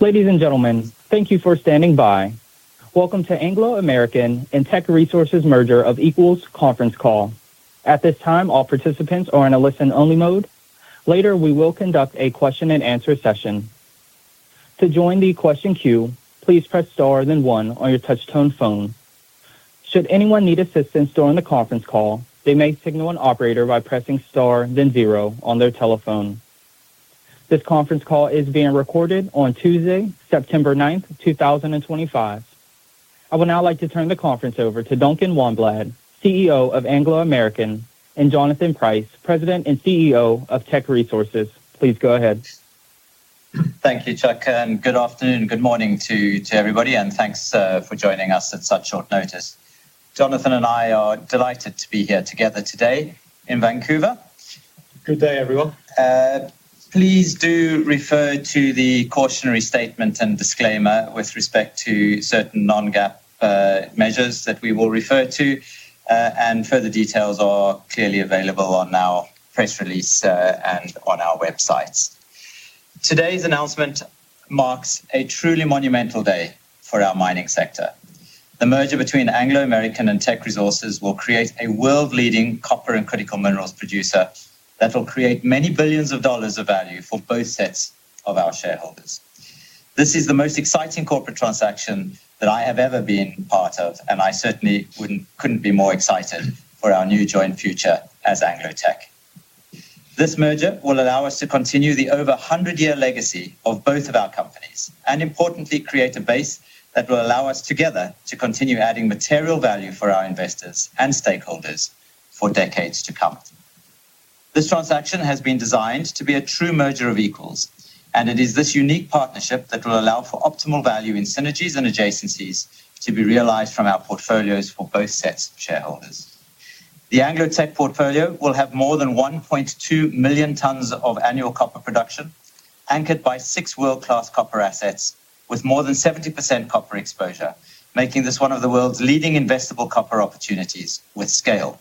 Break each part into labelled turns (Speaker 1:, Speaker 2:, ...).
Speaker 1: Ladies and gentlemen, thank you for standing by. Welcome to the Anglo American and Teck Resources Fraser Phillips Conference Call. At this time, all participants are in a listen-only mode. Later, we will conduct a question-and-answer session. To join the question queue, please press star then one on your touch-tone phone. Should anyone need assistance during the conference call, they may signal an operator by pressing star then zero on their telephone. This conference call is being recorded on Tuesday, September 9th, 2025. I would now like to turn the conference over to Duncan Wanblad, CEO of Anglo American, and Jonathan Price, President and CEO of Teck Resources. Please go ahead.
Speaker 2: Thank you, Chuck, and good afternoon, good morning to everybody, and thanks for joining us at such short notice. Jonathan and I are delighted to be here together today in Vancouver.
Speaker 3: Good day, everyone.
Speaker 2: Please do refer to the cautionary statement and disclaimer with respect to certain non-GAAP measures that we will refer to, and further details are clearly available on our press release and on our websites. Today's announcement marks a truly monumental day for our mining sector. The merger between Anglo American and Teck Resources will create a world-leading copper and critical minerals producer that will create many billions of dollars of value for both sets of our shareholders. This is the most exciting corporate transaction that I have ever been part of, and I certainly couldn't be more excited for our new joint future as AngloTech. This merger will allow us to continue the over 100-year legacy of both of our companies, and importantly, create a base that will allow us together to continue adding material value for our investors and stakeholders for decades to come. This transaction has been designed to be a true merger of equals, and it is this unique partnership that will allow for optimal value in synergies and adjacencies to be realized from our portfolios for both sets of shareholders. The AngloTech portfolio will have more than 1.2 million tons of annual copper production, anchored by six world-class copper assets with more than 70% copper exposure, making this one of the world's leading investable copper opportunities with scale.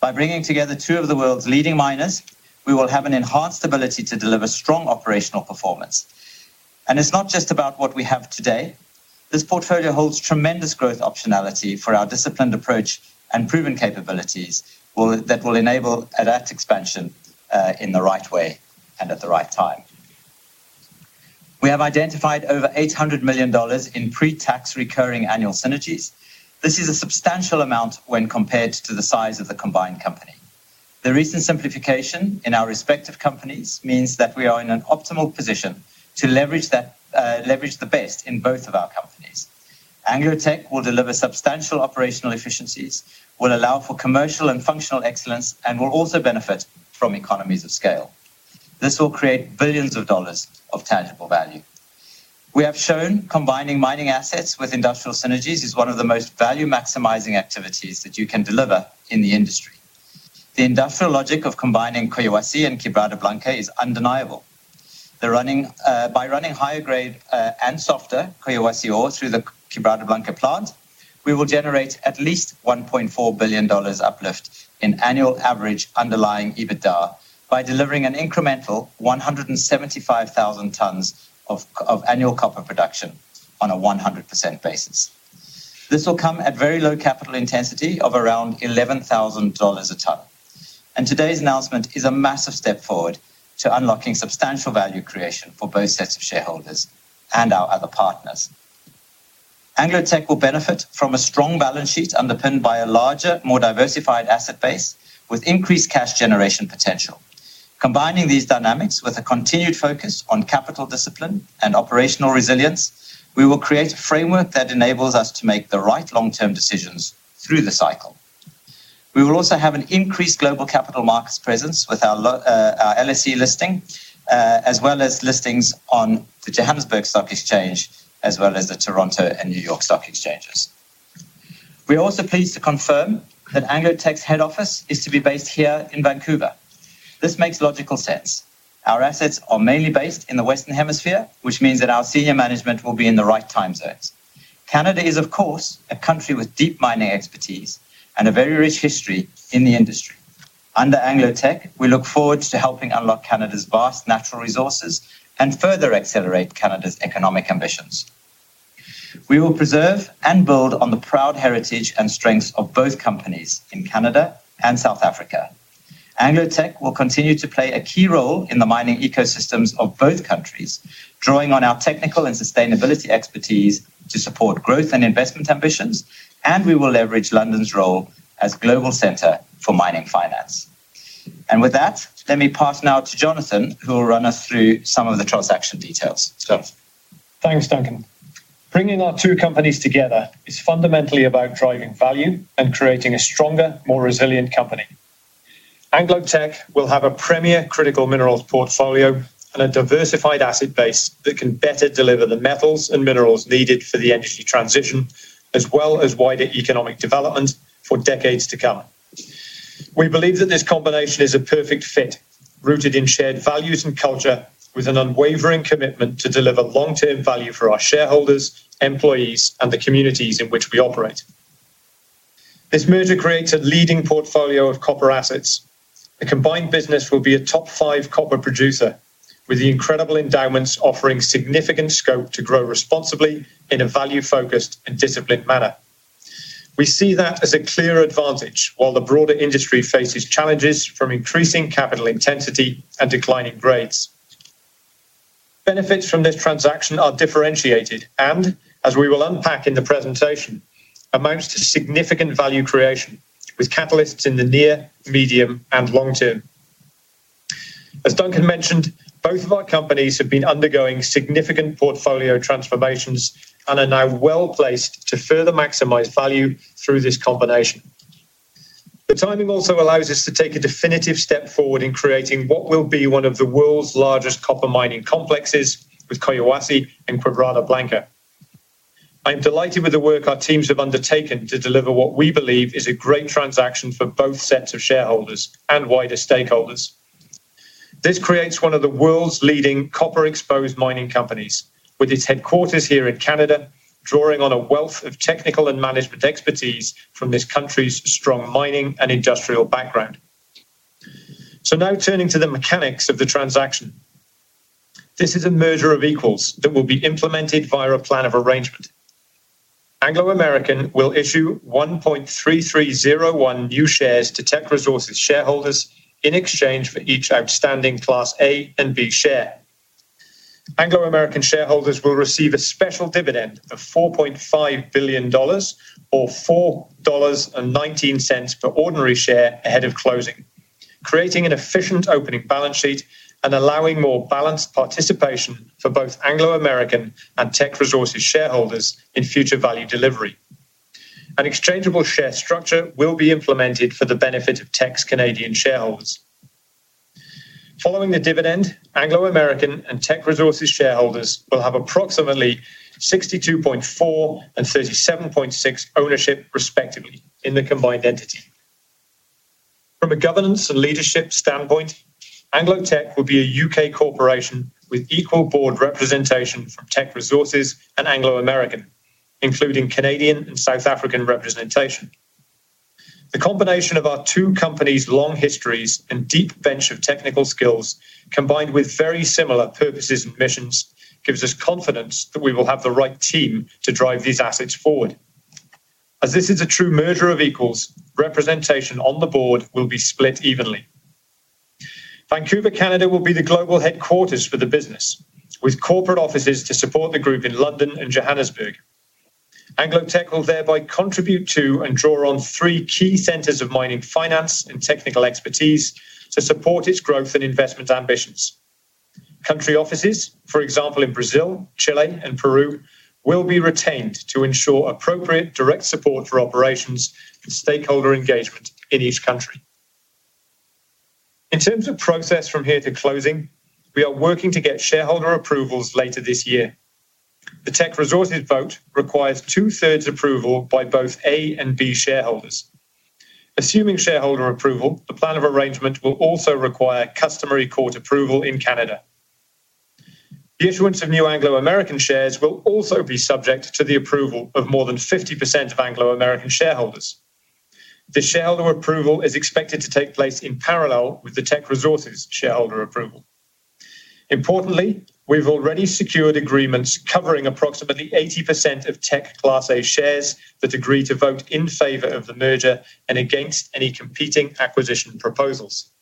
Speaker 2: By bringing together two of the world's leading miners, we will have an enhanced ability to deliver strong operational performance. It's not just about what we have today. This portfolio holds tremendous growth optionality for our disciplined approach and proven capabilities that will enable adaptive expansion in the right way and at the right time. We have identified over $800 million in pre-tax recurring annual synergies. This is a substantial amount when compared to the size of the combined company. The recent simplification in our respective companies means that we are in an optimal position to leverage the best in both of our companies. AngloTech will deliver substantial operational efficiencies, will allow for commercial and functional excellence, and will also benefit from economies of scale. This will create billions of dollars of tangible value. We have shown combining mining assets with industrial synergies is one of the most value-maximizing activities that you can deliver in the industry. The industrial logic of combining Quebrada Blanca and Quebrada Blanca (Koyawasi) is undeniable. By running higher grade and softer Quebrada Blanca (Koyawasi) ore through the Quebrada Blanca plants, we will generate at least $1.4 billion uplift in annual average underlying EBITDA by delivering an incremental 175,000 tons of annual copper production on a 100% basis. This will come at very low capital intensity of around $11,000 a ton. Today's announcement is a massive step forward to unlocking substantial value creation for both sets of shareholders and our other partners. AngloTech will benefit from a strong balance sheet underpinned by a larger, more diversified asset base with increased cash generation potential. Combining these dynamics with a continued focus on capital discipline and operational resilience, we will create a framework that enables us to make the right long-term decisions through the cycle. We will also have an increased global capital markets presence with our LSE listing, as well as listings on the Johannesburg Stock Exchange, the Toronto and New York Stock Exchanges. We are also pleased to confirm that AngloTech's head office is to be based here in Vancouver. This makes logical sense. Our assets are mainly based in the Western Hemisphere, which means that our senior management will be in the right time zones. Canada is, of course, a country with deep mining expertise and a very rich history in the industry. Under AngloTech, we look forward to helping unlock Canada's vast natural resources and further accelerate Canada's economic ambitions. We will preserve and build on the proud heritage and strengths of both companies in Canada and South Africa. AngloTech will continue to play a key role in the mining ecosystems of both countries, drawing on our technical and sustainability expertise to support growth and investment ambitions, and we will leverage London's role as a global center for mining finance. With that, let me pass now to Jonathan, who will run us through some of the transaction details.
Speaker 3: Thanks, Duncan. Bringing our two companies together is fundamentally about driving value and creating a stronger, more resilient company. AngloTech will have a premier critical minerals portfolio and a diversified asset base that can better deliver the metals and minerals needed for the energy transition, as well as wider economic development for decades to come. We believe that this combination is a perfect fit, rooted in shared values and culture, with an unwavering commitment to deliver long-term value for our shareholders, employees, and the communities in which we operate. This merger creates a leading portfolio of copper assets. The combined business will be a top five copper producer with the incredible endowments offering significant scope to grow responsibly in a value-focused and disciplined manner. We see that as a clear advantage while the broader industry faces challenges from increasing capital intensity and declining grades. Benefits from this transaction are differentiated and, as we will unpack in the presentation, amount to significant value creation with capitalists in the near, medium, and long term. As Duncan mentioned, both of our companies have been undergoing significant portfolio transformations and are now well placed to further maximize value through this combination. The timing also allows us to take a definitive step forward in creating what will be one of the world's largest copper mining complexes with Quebrada Blanca (Koyawasi) and Quebrada Blanca. I'm delighted with the work our teams have undertaken to deliver what we believe is a great transaction for both sets of shareholders and wider stakeholders. This creates one of the world's leading copper exposed mining companies, with its headquarters here in Canada, drawing on a wealth of technical and management expertise from this country's strong mining and industrial background. Now turning to the mechanics of the transaction. This is a merger of equals that will be implemented via a plan of arrangement. Anglo American will issue 1.3301 new shares to Teck Resources shareholders in exchange for each outstanding Class A and B share. Anglo American shareholders will receive a special dividend of $4.5 billion, or $4.19 per ordinary share ahead of closing, creating an efficient opening balance sheet and allowing more balanced participation for both Anglo American and Teck Resources shareholders in future value delivery. An exchangeable share structure will be implemented for the benefit of Teck Resources' Canadian shareholders. Following the dividend, Anglo American and Teck Resources shareholders will have approximately 62.4% and 37.6% ownership, respectively, in the combined entity. From a governance and leadership standpoint, AngloTech will be a U.K. corporation with equal board representation from Teck Resources and Anglo American, including Canadian and South African representation. The combination of our two companies' long histories and deep bench of technical skills, combined with very similar purposes and missions, gives us confidence that we will have the right team to drive these assets forward. As this is a true merger of equals, representation on the board will be split evenly. Vancouver, Canada, will be the global headquarters for the business, with corporate offices to support the group in London and Johannesburg. AngloTech will thereby contribute to and draw on three key centers of mining finance and technical expertise to support its growth and investment ambitions. Country offices, for example, in Brazil, Chile, and Peru, will be retained to ensure appropriate direct support for operations and stakeholder engagement in each country. In terms of process from here to closing, we are working to get shareholder approvals later this year. The Teck Resources vote requires two-thirds approval by both A and B shareholders. Assuming shareholder approval, the plan of arrangement will also require customary court approval in Canada. The issuance of new Anglo American shares will also be subject to the approval of more than 50% of Anglo American shareholders. This shareholder approval is expected to take place in parallel with the Teck Resources shareholder approval. Importantly, we've already secured agreements covering approximately 80% of Teck Class A shares that agree to vote in favor of the merger and against any competing acquisition proposals.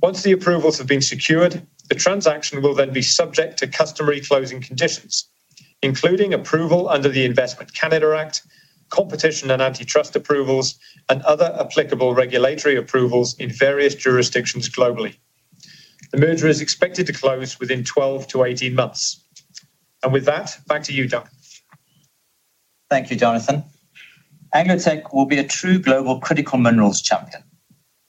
Speaker 3: Once the approvals have been secured, the transaction will then be subject to customary closing conditions, including approval under the Investment Canada Act, competition and antitrust approvals, and other applicable regulatory approvals in various jurisdictions globally. The merger is expected to close within 12 months-18 months. With that, back to you, Duncan.
Speaker 2: Thank you, Jonathan. AngloTech will be a true global critical minerals champion.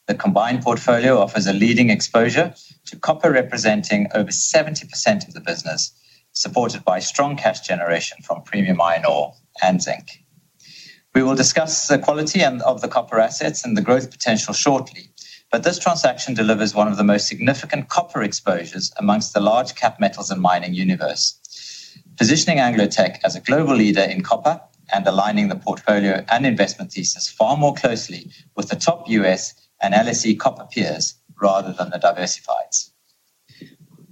Speaker 2: The combined portfolio offers a leading exposure to copper representing over 70% of the business, supported by strong cash generation from premium iron ore and zinc. We will discuss the quality of the copper assets and the growth potential shortly, but this transaction delivers one of the most significant copper exposures amongst the large cap metals and mining universe, positioning AngloTech as a global leader in copper and aligning the portfolio and investment thesis far more closely with the top U.S. and LSE copper peers rather than the diversifieds.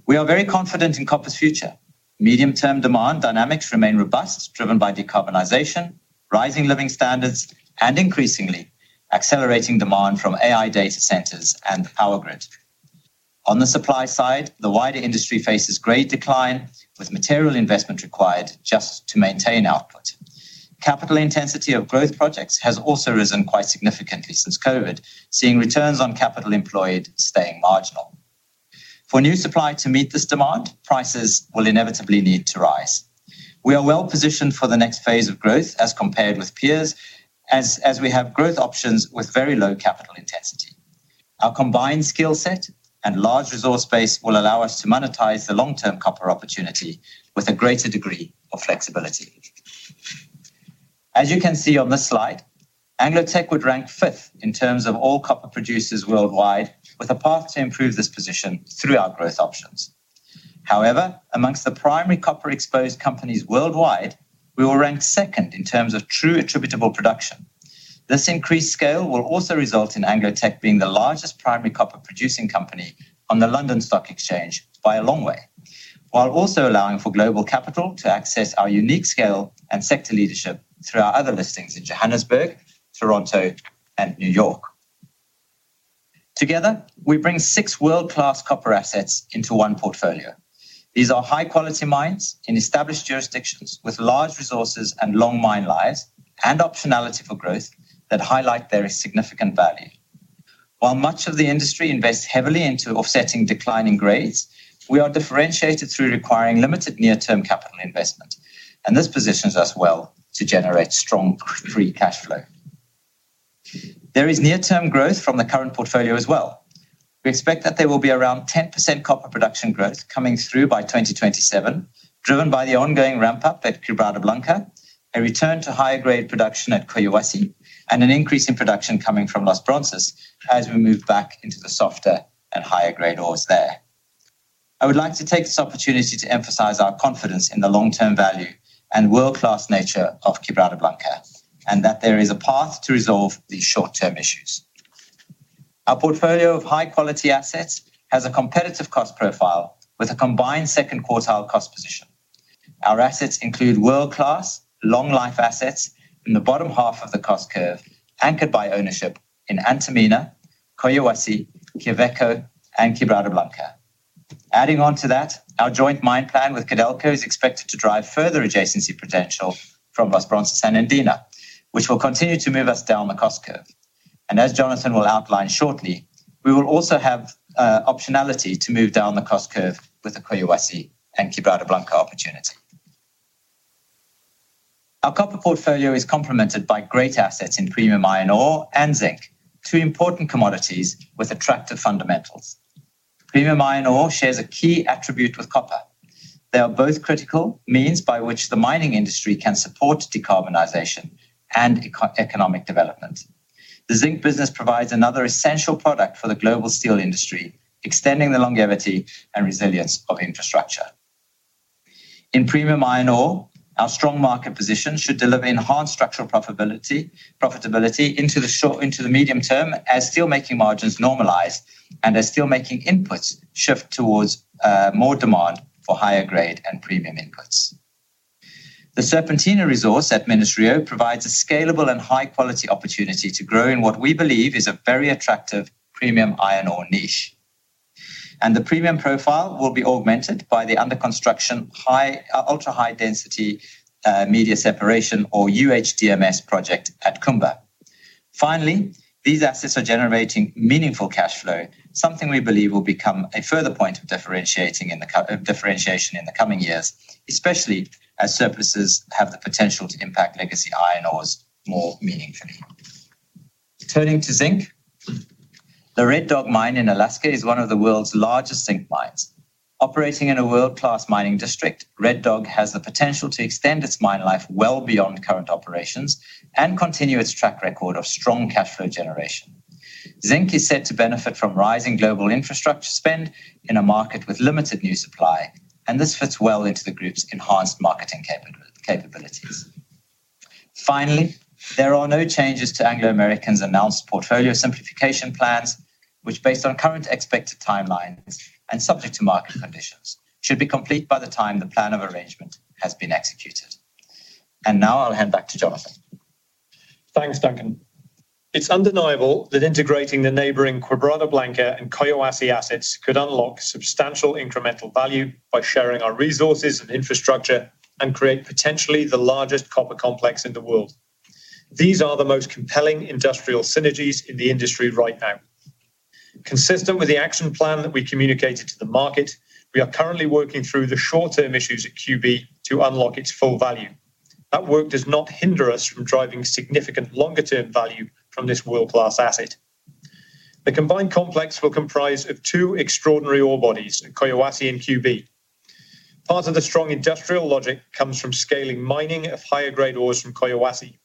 Speaker 2: We are very confident in copper's future. Medium-term demand dynamics remain robust, driven by decarbonization, rising living standards, and increasingly accelerating demand from AI data centers and the power grid. On the supply side, the wider industry faces grade decline, with material investment required just to maintain output. Capital intensity of growth projects has also risen quite significantly since COVID, seeing returns on capital employed staying marginal. For new supply to meet this demand, prices will inevitably need to rise. We are well positioned for the next phase of growth as compared with peers, as we have growth options with very low capital intensity. Our combined skill set and large resource base will allow us to monetize the long-term copper opportunity with a greater degree of flexibility. As you can see on this slide, AngloTech would rank fifth in terms of all copper producers worldwide, with a path to improve this position through our growth options. However, amongst the primary copper exposed companies worldwide, we will rank second in terms of true attributable production. This increased scale will also result in AngloTech being the largest primary copper producing company on the London Stock Exchange by a long way, while also allowing for global capital to access our unique scale and sector leadership through our other listings in Johannesburg, Toronto, and New York. Together, we bring six world-class copper assets into one portfolio. These are high-quality mines in established jurisdictions, with large resources and long mine lives and optionality for growth that highlight their significant value. While much of the industry invests heavily into offsetting declining grades, we are differentiated through requiring limited near-term capital investment, and this positions us well to generate strong free cash flow. There is near-term growth from the current portfolio as well. We expect that there will be around 10% copper production growth coming through by 2027, driven by the ongoing ramp-up at Quebrada Blanca, a return to higher grade production at Koyawasi, and an increase in production coming from Los Bronces as we move back into the softer and higher grade ores there. I would like to take this opportunity to emphasize our confidence in the long-term value and world-class nature of Quebrada Blanca, and that there is a path to resolve these short-term issues. Our portfolio of high-quality assets has a competitive cost profile with a combined second-quartile cost position. Our assets include world-class long-life assets in the bottom half of the cost curve, anchored by ownership in Antamina, Koyawasi, Quebrada Blanca, and Quebrada Code. Adding on to that, our joint mine plan with Codelco is expected to drive further adjacency potential from Los Bronces and Andina, which will continue to move us down the cost curve. As Jonathan will outline shortly, we will also have optionality to move down the cost curve with the Koyawasi and Quebrada Blanca opportunity. Our copper portfolio is complemented by great assets in premium iron ore and zinc, two important commodities with attractive fundamentals. Premium iron ore shares a key attribute with copper. They are both critical means by which the mining industry can support decarbonization and economic development. The zinc business provides another essential product for the global steel industry, extending the longevity and resilience of infrastructure. In premium iron ore, our strong market position should deliver enhanced structural profitability into the short and medium term as steelmaking margins normalize and as steelmaking inputs shift towards more demand for higher grade and premium inputs. The Serpentina resource at Ministerio provides a scalable and high-quality opportunity to grow in what we believe is a very attractive premium iron ore niche. The premium profile will be augmented by the under construction ultra-high density media separation, or UHDMS, project at Kumba. Finally, these assets are generating meaningful cash flow, something we believe will become a further point of differentiation in the coming years, especially as surpluses have the potential to impact legacy iron ores more meaningfully. Turning to zinc, the Red Dog mine in Alaska is one of the world's largest zinc mines. Operating in a world-class mining district, Red Dog has the potential to extend its mine life well beyond current operations and continue its track record of strong cash flow generation. Zinc is set to benefit from rising global infrastructure spend in a market with limited new supply, and this fits well into the group's enhanced marketing capabilities. There are no changes to Anglo American's announced portfolio simplification plans, which, based on current expected timelines and subject to market conditions, should be complete by the time the plan of arrangement has been executed. Now I'll hand back to Jonathan.
Speaker 3: Thanks, Duncan. It's undeniable that integrating the neighboring Quebrada Blanca and Koyawasi assets could unlock substantial incremental value by sharing our resources and infrastructure and create potentially the largest copper complex in the world. These are the most compelling industrial synergies in the industry right now. Consistent with the action plan that we communicated to the market, we are currently working through the short-term issues at QB to unlock its full value. That work does not hinder us from driving significant longer-term value from this world-class asset. The combined complex will comprise two extraordinary ore bodies, Koyawasi and QB. Part of the strong industrial logic comes from scaling mining of higher grade ores from Koyawasi.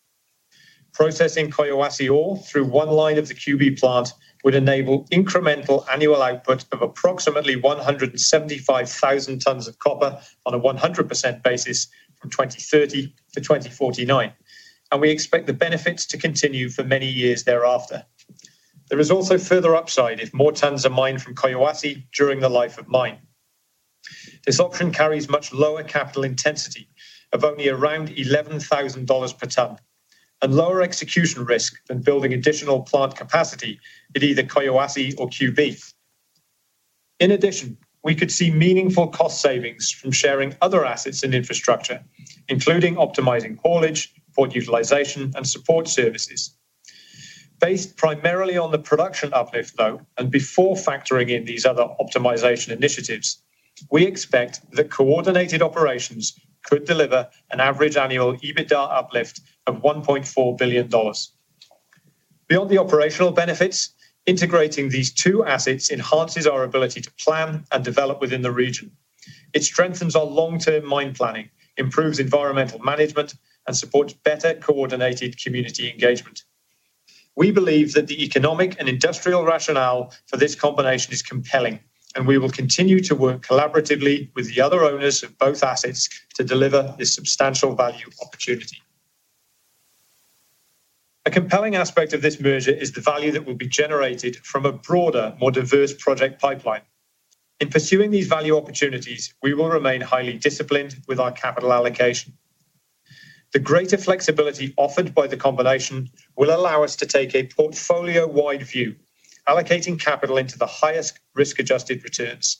Speaker 3: Processing Koyawasi ore through one line of the QB plant would enable incremental annual output of approximately 175,000 tons of copper on a 100% basis from 2030-2049, and we expect the benefits to continue for many years thereafter. There is also further upside if more tons are mined from Koyawasi during the life of mine. This option carries much lower capital intensity of only around $11,000 per ton and lower execution risk than building additional plant capacity at either Koyawasi or QB. In addition, we could see meaningful cost savings from sharing other assets and infrastructure, including optimizing portage, port utilization, and support services. Based primarily on the production uplift, though, and before factoring in these other optimization initiatives, we expect that coordinated operations could deliver an average annual EBITDA uplift of $1.4 billion. Beyond the operational benefits, integrating these two assets enhances our ability to plan and develop within the region. It strengthens our long-term mine planning, improves environmental management, and supports better coordinated community engagement. We believe that the economic and industrial rationale for this combination is compelling, and we will continue to work collaboratively with the other owners of both assets to deliver this substantial value opportunity. A compelling aspect of this merger is the value that will be generated from a broader, more diverse project pipeline. In pursuing these value opportunities, we will remain highly disciplined with our capital allocation. The greater flexibility offered by the combination will allow us to take a portfolio-wide view, allocating capital into the highest risk-adjusted returns.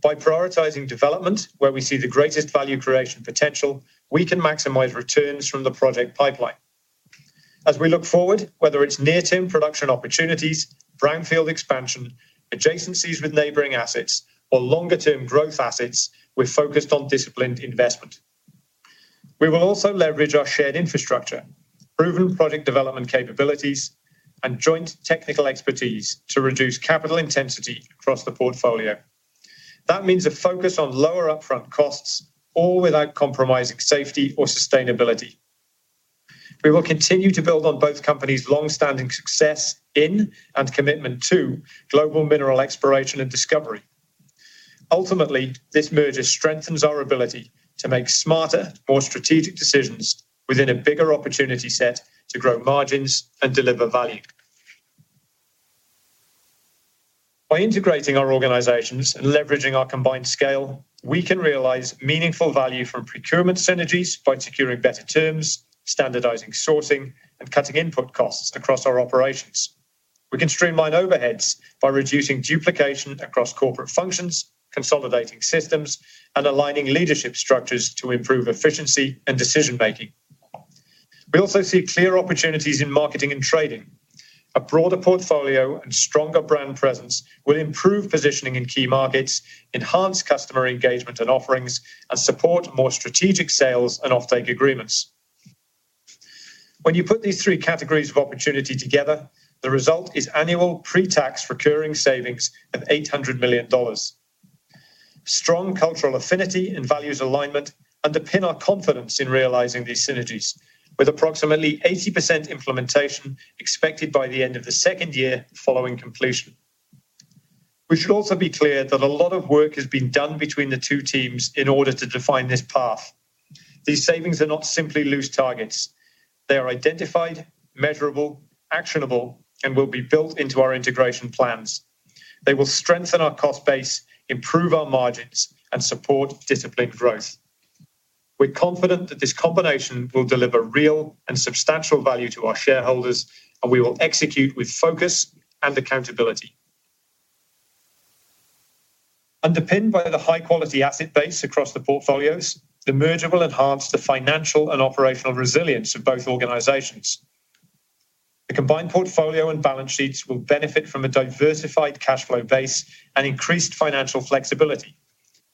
Speaker 3: By prioritizing development where we see the greatest value creation potential, we can maximize returns from the project pipeline. As we look forward, whether it's near-term production opportunities, brownfield expansion, adjacencies with neighboring assets, or longer-term growth assets, we're focused on disciplined investment. We will also leverage our shared infrastructure, proven project development capabilities, and joint technical expertise to reduce capital intensity across the portfolio. That means a focus on lower upfront costs, all without compromising safety or sustainability. We will continue to build on both companies' long-standing success in and commitment to global mineral exploration and discovery. Ultimately, this merger strengthens our ability to make smarter, more strategic decisions within a bigger opportunity set to grow margins and deliver value. By integrating our organizations and leveraging our combined scale, we can realize meaningful value from procurement synergies by securing better terms, standardizing sourcing, and cutting input costs across our operations. We can streamline overheads by reducing duplication across corporate functions, consolidating systems, and aligning leadership structures to improve efficiency and decision-making. We also see clear opportunities in marketing and trading. A broader portfolio and stronger brand presence will improve positioning in key markets, enhance customer engagement and offerings, and support more strategic sales and off-take agreements. When you put these three categories of opportunity together, the result is annual pre-tax recurring savings of $800 million. Strong cultural affinity and values alignment underpin our confidence in realizing these synergies, with approximately 80% implementation expected by the end of the second year following completion. We should also be clear that a lot of work has been done between the two teams in order to define this path. These savings are not simply loose targets. They are identified, measurable, actionable, and will be built into our integration plans. They will strengthen our cost base, improve our margins, and support disciplined growth. We're confident that this combination will deliver real and substantial value to our shareholders, and we will execute with focus and accountability. Underpinned by the high-quality asset base across the portfolios, the merger will enhance the financial and operational resilience of both organizations. The combined portfolio and balance sheets will benefit from a diversified cash flow base and increased financial flexibility,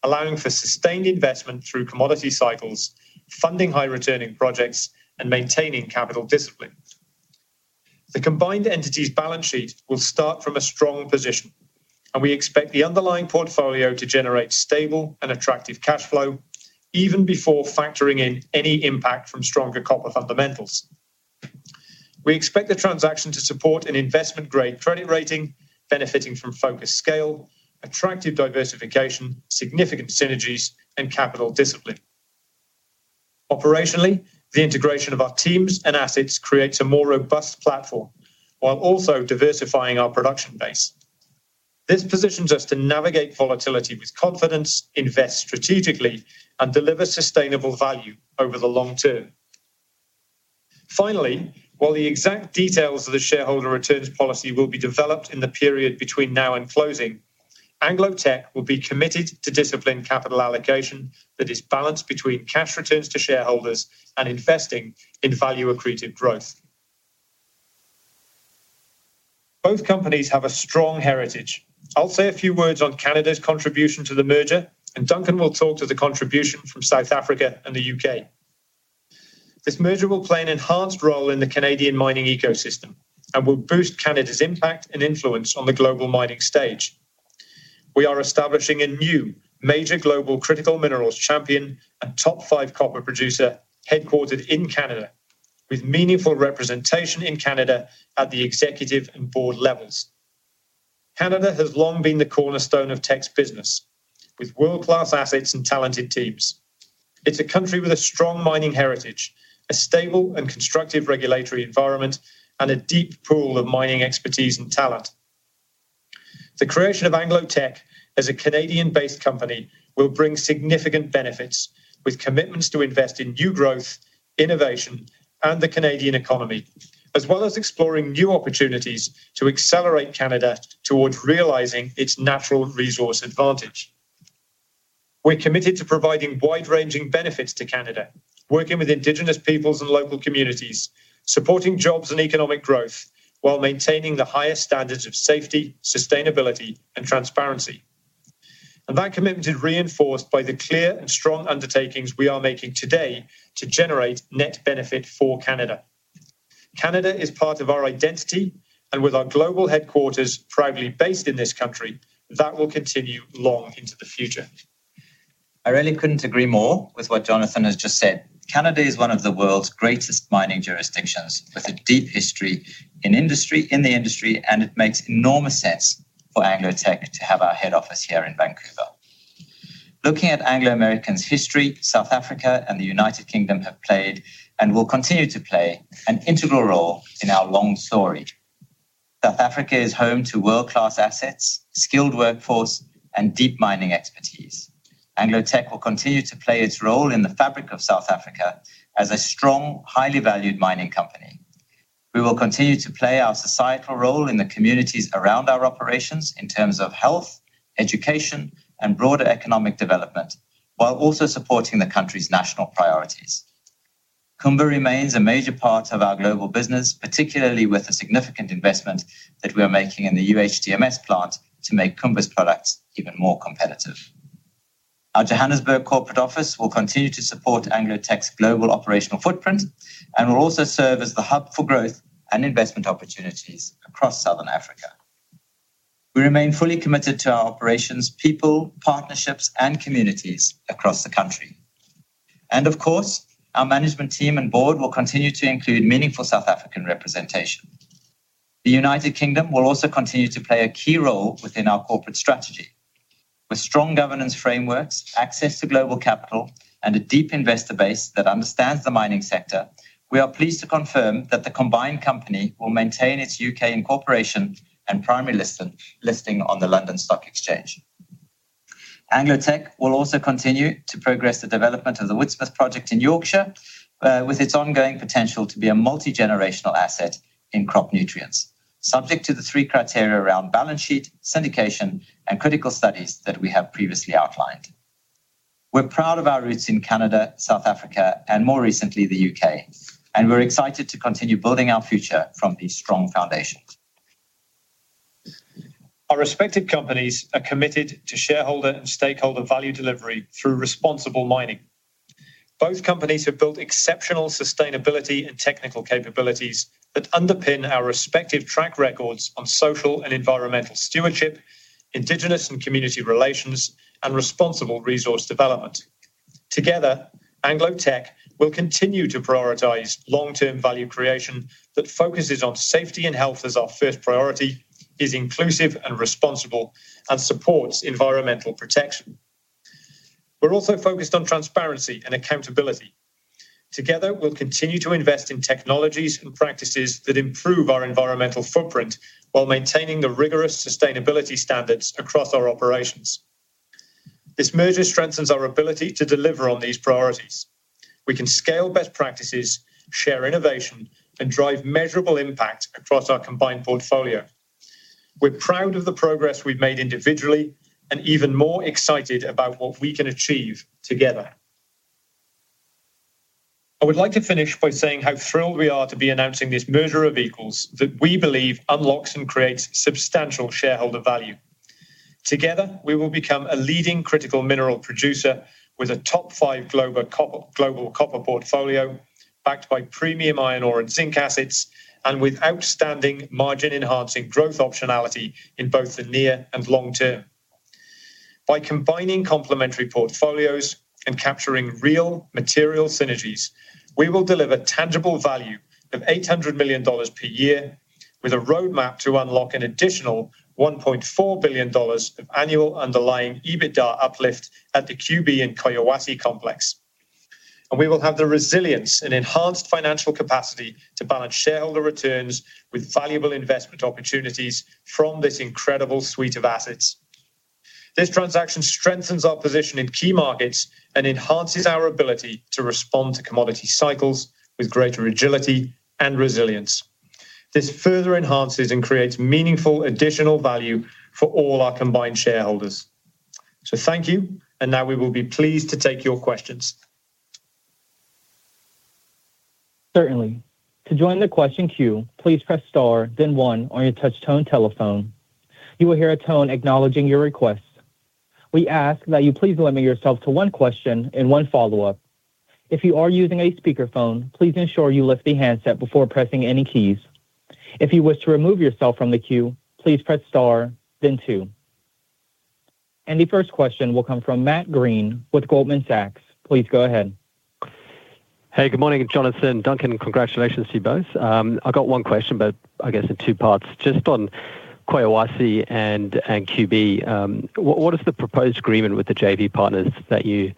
Speaker 3: allowing for sustained investment through commodity cycles, funding high-returning projects, and maintaining capital discipline. The combined entity's balance sheet will start from a strong position, and we expect the underlying portfolio to generate stable and attractive cash flow, even before factoring in any impact from stronger copper fundamentals. We expect the transaction to support an investment-grade credit rating, benefiting from focused scale, attractive diversification, significant synergies, and capital discipline. Operationally, the integration of our teams and assets creates a more robust platform while also diversifying our production base. This positions us to navigate volatility with confidence, invest strategically, and deliver sustainable value over the long term. Finally, while the exact details of the shareholder returns policy will be developed in the period between now and closing, AngloTech will be committed to disciplined capital allocation that is balanced between cash returns to shareholders and investing in value-accretive growth. Both companies have a strong heritage. I'll say a few words on Canada's contribution to the merger, and Duncan will talk to the contribution from South Africa and the U.K. This merger will play an enhanced role in the Canadian mining ecosystem and will boost Canada's impact and influence on the global mining stage. We are establishing a new major global critical minerals champion and top five copper producer headquartered in Canada, with meaningful representation in Canada at the executive and board levels. Canada has long been the cornerstone of Teck's business, with world-class assets and talented teams. It's a country with a strong mining heritage, a stable and constructive regulatory environment, and a deep pool of mining expertise and talent. The creation of AngloTech as a Canadian-based company will bring significant benefits, with commitments to invest in new growth, innovation, and the Canadian economy, as well as exploring new opportunities to accelerate Canada towards realizing its natural resource advantage. We're committed to providing wide-ranging benefits to Canada, working with Indigenous peoples and local communities, supporting jobs and economic growth, while maintaining the highest standards of safety, sustainability, and transparency. That commitment is reinforced by the clear and strong undertakings we are making today to generate net benefit for Canada. Canada is part of our identity, and with our global headquarters proudly based in this country, that will continue long into the future.
Speaker 2: I really couldn't agree more with what Jonathan has just said. Canada is one of the world's greatest mining jurisdictions, with a deep history in the industry, and it makes enormous sense for AngloTech to have our head office here in Vancouver. Looking at Anglo American's history, South Africa and the United Kingdom have played and will continue to play an integral role in our long story. South Africa is home to world-class assets, a skilled workforce, and deep mining expertise. AngloTech will continue to play its role in the fabric of South Africa as a strong, highly valued mining company. We will continue to play our societal role in the communities around our operations in terms of health, education, and broader economic development, while also supporting the country's national priorities. Kumba remains a major part of our global business, particularly with the significant investment that we are making in the UHDMS plant to make Kumba's products even more competitive. Our Johannesburg Corporate office will continue to support AngloTech's global operational footprint and will also serve as the hub for growth and investment opportunities across Southern Africa. We remain fully committed to our operations, people, partnerships, and communities across the country. Of course, our management team and board will continue to include meaningful South African representation. The United Kingdom will also continue to play a key role within our corporate strategy. With strong governance frameworks, access to global capital, and a deep investor base that understands the mining sector, we are pleased to confirm that the combined company will maintain its U.K. incorporation and primary listing on the London Stock Exchange. AngloTech will also continue to progress the development of the Whitsworth project in Yorkshire, with its ongoing potential to be a multigenerational asset in crop nutrients, subject to the three criteria around balance sheet, syndication, and critical studies that we have previously outlined. We're proud of our roots in Canada, South Africa, and more recently, the U.K., and we're excited to continue building our future from these strong foundations.
Speaker 3: Our respected companies are committed to shareholder and stakeholder value delivery through responsible mining. Both companies have built exceptional sustainability and technical capabilities that underpin our respective track records on social and environmental stewardship, Indigenous and community relations, and responsible resource development. Together, AngloTech will continue to prioritize long-term value creation that focuses on safety and health as our first priority, is inclusive and responsible, and supports environmental protection. We're also focused on transparency and accountability. Together, we'll continue to invest in technologies and practices that improve our environmental footprint while maintaining the rigorous sustainability standards across our operations. This merger strengthens our ability to deliver on these priorities. We can scale best practices, share innovation, and drive measurable impact across our combined portfolio. We're proud of the progress we've made individually and even more excited about what we can achieve together. I would like to finish by saying how thrilled we are to be announcing this merger of equals that we believe unlocks and creates substantial shareholder value. Together, we will become a leading critical mineral producer with a top five global copper portfolio backed by premium iron ore and zinc assets, and with outstanding margin-enhancing growth optionality in both the near and long term. By combining complementary portfolios and capturing real material synergies, we will deliver tangible value of $800 million per year, with a roadmap to unlock an additional $1.4 billion of annual underlying EBITDA uplift at the QB and Koyawasi complex. We will have the resilience and enhanced financial capacity to balance shareholder returns with valuable investment opportunities from this incredible suite of assets. This transaction strengthens our position in key markets and enhances our ability to respond to commodity cycles with greater agility and resilience. This further enhances and creates meaningful additional value for all our combined shareholders. Thank you, and now we will be pleased to take your questions.
Speaker 1: Certainly. To join the question queue, please press star, then one on your touch-tone telephone. You will hear a tone acknowledging your request. We ask that you please limit yourself to one question and one follow-up. If you are using a speaker phone, please ensure you lift the handset before pressing any keys. If you wish to remove yourself from the queue, please press star, then two. The first question will come from Matt Greene with Goldman Sachs. Please go ahead.
Speaker 4: Hey, good morning, Jonathan. Duncan, congratulations to you both. I got one question, but I guess in two parts. Just on Koyawasi and QB, what is the proposed agreement with the JV partners that you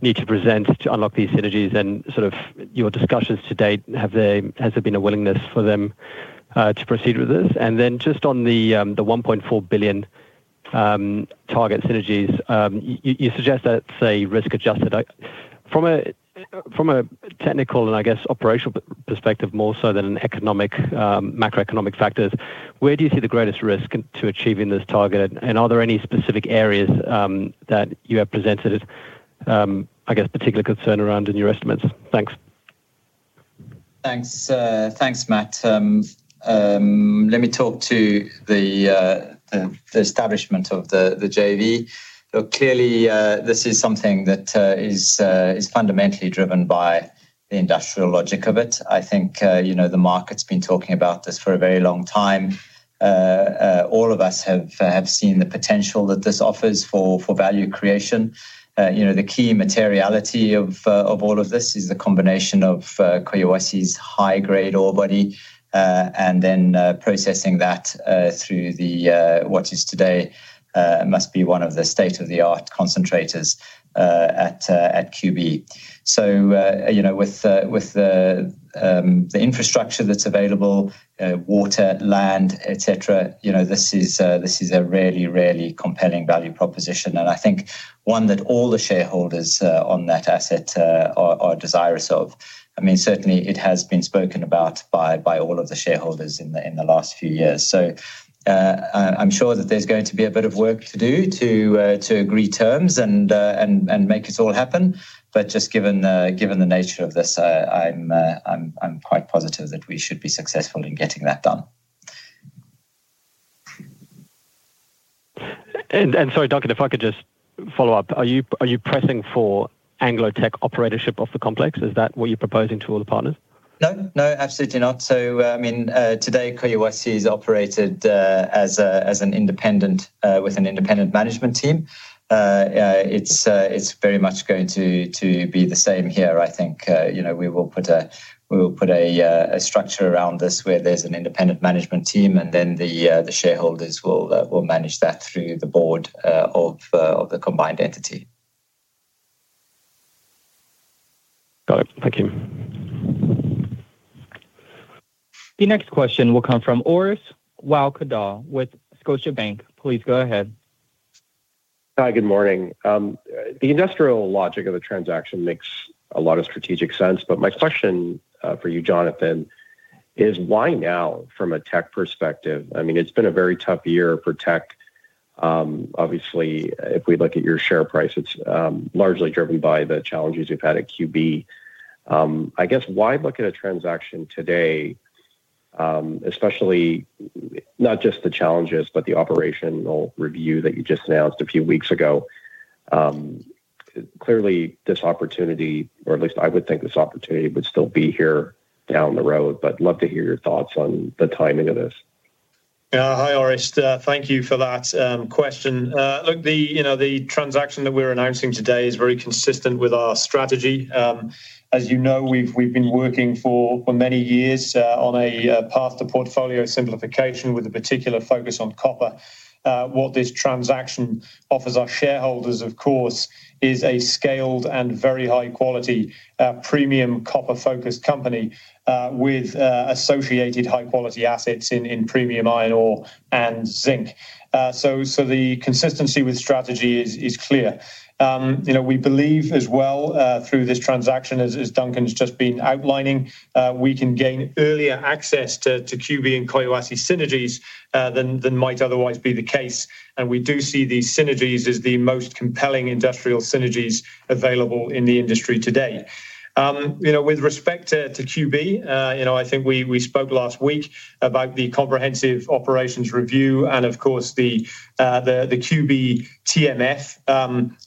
Speaker 4: need to present to unlock these synergies? In your discussions to date, has there been a willingness for them to proceed with this? On the $1.4 billion target synergies, you suggest that's risk-adjusted. From a technical and, I guess, operational perspective, more so than an economic, macroeconomic factor, where do you see the greatest risk to achieving this target? Are there any specific areas that you have presented particular concern around in your estimates? Thanks.
Speaker 2: Thanks, Matt. Let me talk to the establishment of the JV. Clearly, this is something that is fundamentally driven by the industrial logic of it. I think the market's been talking about this for a very long time. All of us have seen the potential that this offers for value creation. The key materiality of all of this is the combination of Koyawasi's high-grade ore body and then processing that through what is today must be one of the state-of-the-art concentrators at QB. With the infrastructure that's available, water, land, et cetera, this is a really, really compelling value proposition. I think one that all the shareholders on that asset are desirous of. Certainly, it has been spoken about by all of the shareholders in the last few years. I'm sure that there's going to be a bit of work to do to agree terms and make this all happen. Given the nature of this, I'm quite positive that we should be successful in getting that done.
Speaker 4: Sorry, Duncan, if I could just follow up, are you pressing for AngloTech operatorship of the complex? Is that what you're proposing to all the partners?
Speaker 2: No, no, absolutely not. Today, Koyawasi is operated with an independent management team. It's very much going to be the same here, I think. We will put a structure around this where there's an independent management team, and then the shareholders will manage that through the board of the combined entity.
Speaker 4: Got it. Thank you.
Speaker 1: The next question will come from Orest Wowkodaw with Scotiabank. Please go ahead.
Speaker 5: Hi, good morning. The industrial logic of the transaction makes a lot of strategic sense, but my question for you, Jonathan, is why now from a Teck perspective? I mean, it's been a very tough year for Teck. Obviously, if we look at your share price, it's largely driven by the challenges you've had at QB. I guess, why look at a transaction today, especially not just the challenges, but the operational review that you just announced a few weeks ago? Clearly, this opportunity, or at least I would think this opportunity would still be here down the road, but I'd love to hear your thoughts on the timing of this.
Speaker 3: Yeah, hi, Orest. Thank you for that question. Look, the transaction that we're announcing today is very consistent with our strategy. As you know, we've been working for many years on a path to portfolio simplification with a particular focus on copper. What this transaction offers our shareholders, of course, is a scaled and very high-quality premium copper-focused company with associated high-quality assets in premium iron ore and zinc. The consistency with strategy is clear. We believe as well, through this transaction, as Duncan's just been outlining, we can gain earlier access to QB and Koyawasi synergies than might otherwise be the case. We do see these synergies as the most compelling industrial synergies available in the industry today. With respect to QB, I think we spoke last week about the comprehensive operations review and, of course, the QB TMF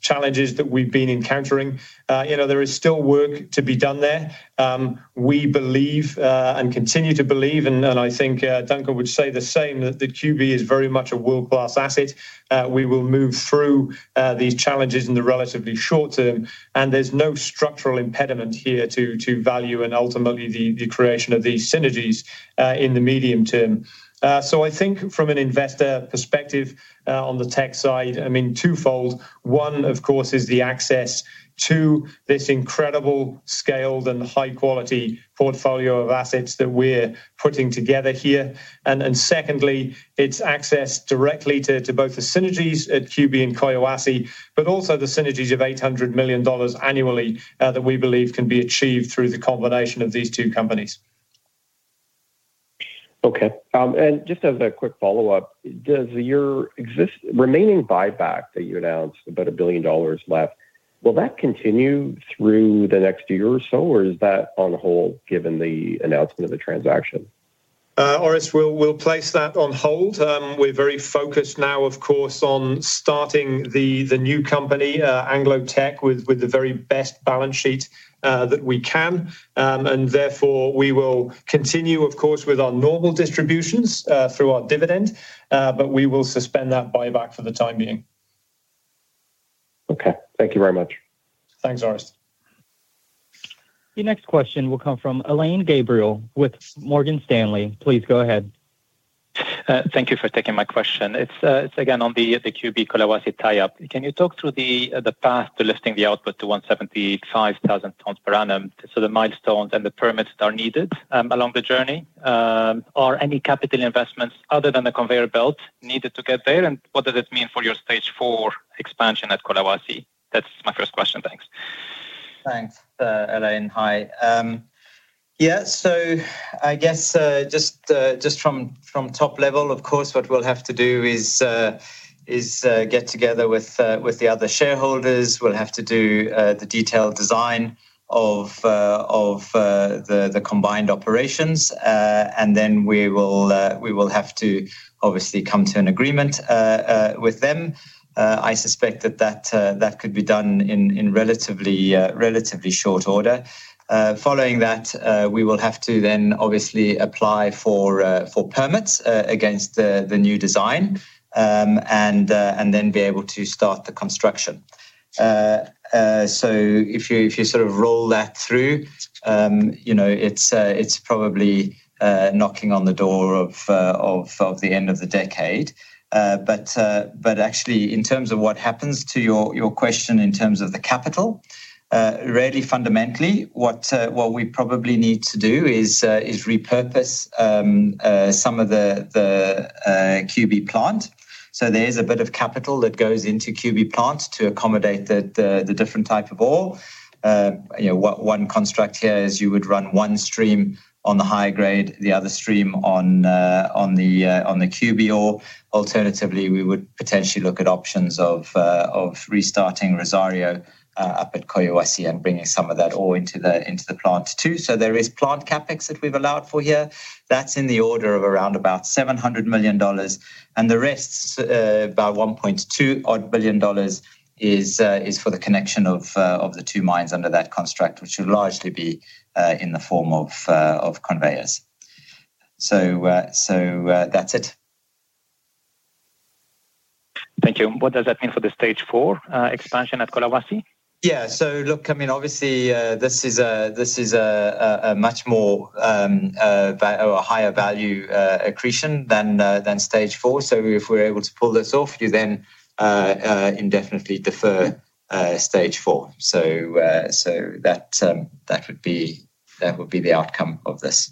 Speaker 3: challenges that we've been encountering. There is still work to be done there. We believe and continue to believe, and I think Duncan would say the same, that QB is very much a world-class asset. We will move through these challenges in the relatively short term, and there's no structural impediment here to value and ultimately the creation of these synergies in the medium term. I think from an investor perspective on the Teck side, I mean, twofold. One, of course, is the access to this incredible scaled and high-quality portfolio of assets that we're putting together here. Secondly, it's access directly to both the synergies at QB and Koyawasi, but also the synergies of $800 million annually that we believe can be achieved through the combination of these two companies.
Speaker 5: Okay. Just as a quick follow-up, does your existing remaining buyback that you announced, about $1 billion left, will that continue through the next year or so, or is that on hold given the announcement of the transaction?
Speaker 3: We'll place that on hold. We're very focused now, of course, on starting the new company, AngloTech, with the very best balance sheet that we can. Therefore, we will continue, of course, with our normal distributions through our dividend, but we will suspend that buyback for the time being.
Speaker 5: Okay, thank you very much.
Speaker 3: Thanks, Oris.
Speaker 1: The next question will come from lain Gabriel with Morgan Stanley. Please go ahead.
Speaker 6: Thank you for taking my question. It's, again, on the QB Koyawasi tie-up. Can you talk through the path to lifting the output to 175,000 tons per annum? The milestones and the permits that are needed along the journey, are any capital investments other than the conveyor belt needed to get there? What does it mean for your stage four expansion at Koyawasi? That's my first question. Thanks.
Speaker 3: Thanks, Alain. Hi. Yeah, just from top level, of course, what we'll have to do is get together with the other shareholders. We'll have to do the detailed design of the combined operations, and then we will have to obviously come to an agreement with them. I suspect that that could be done in relatively short order. Following that, we will have to then obviously apply for permits against the new design and then be able to start the construction. If you sort of roll that through, it's probably knocking on the door of the end of the decade. Actually, in terms of what happens to your question in terms of the capital, really fundamentally, what we probably need to do is repurpose some of the QB plant. There is a bit of capital that goes into QB plant to accommodate the different types of ore. One construct here is you would run one stream on the high grade, the other stream on the QB ore. Alternatively, we would potentially look at options of restarting Rosario up at Koyawasi and bringing some of that ore into the plant too. There is plant capex that we've allowed for here. That's in the order of around about $700 million. The rest, about $1.2 billion, is for the connection of the two mines under that construct, which will largely be in the form of conveyors. That's it.
Speaker 6: Thank you. What does that mean for the stage four expansion at Koyawasi?
Speaker 3: Yeah, look, obviously, this is a much more higher value accretion than stage four. If we're able to pull this off, you then indefinitely defer stage four. That would be the outcome of this.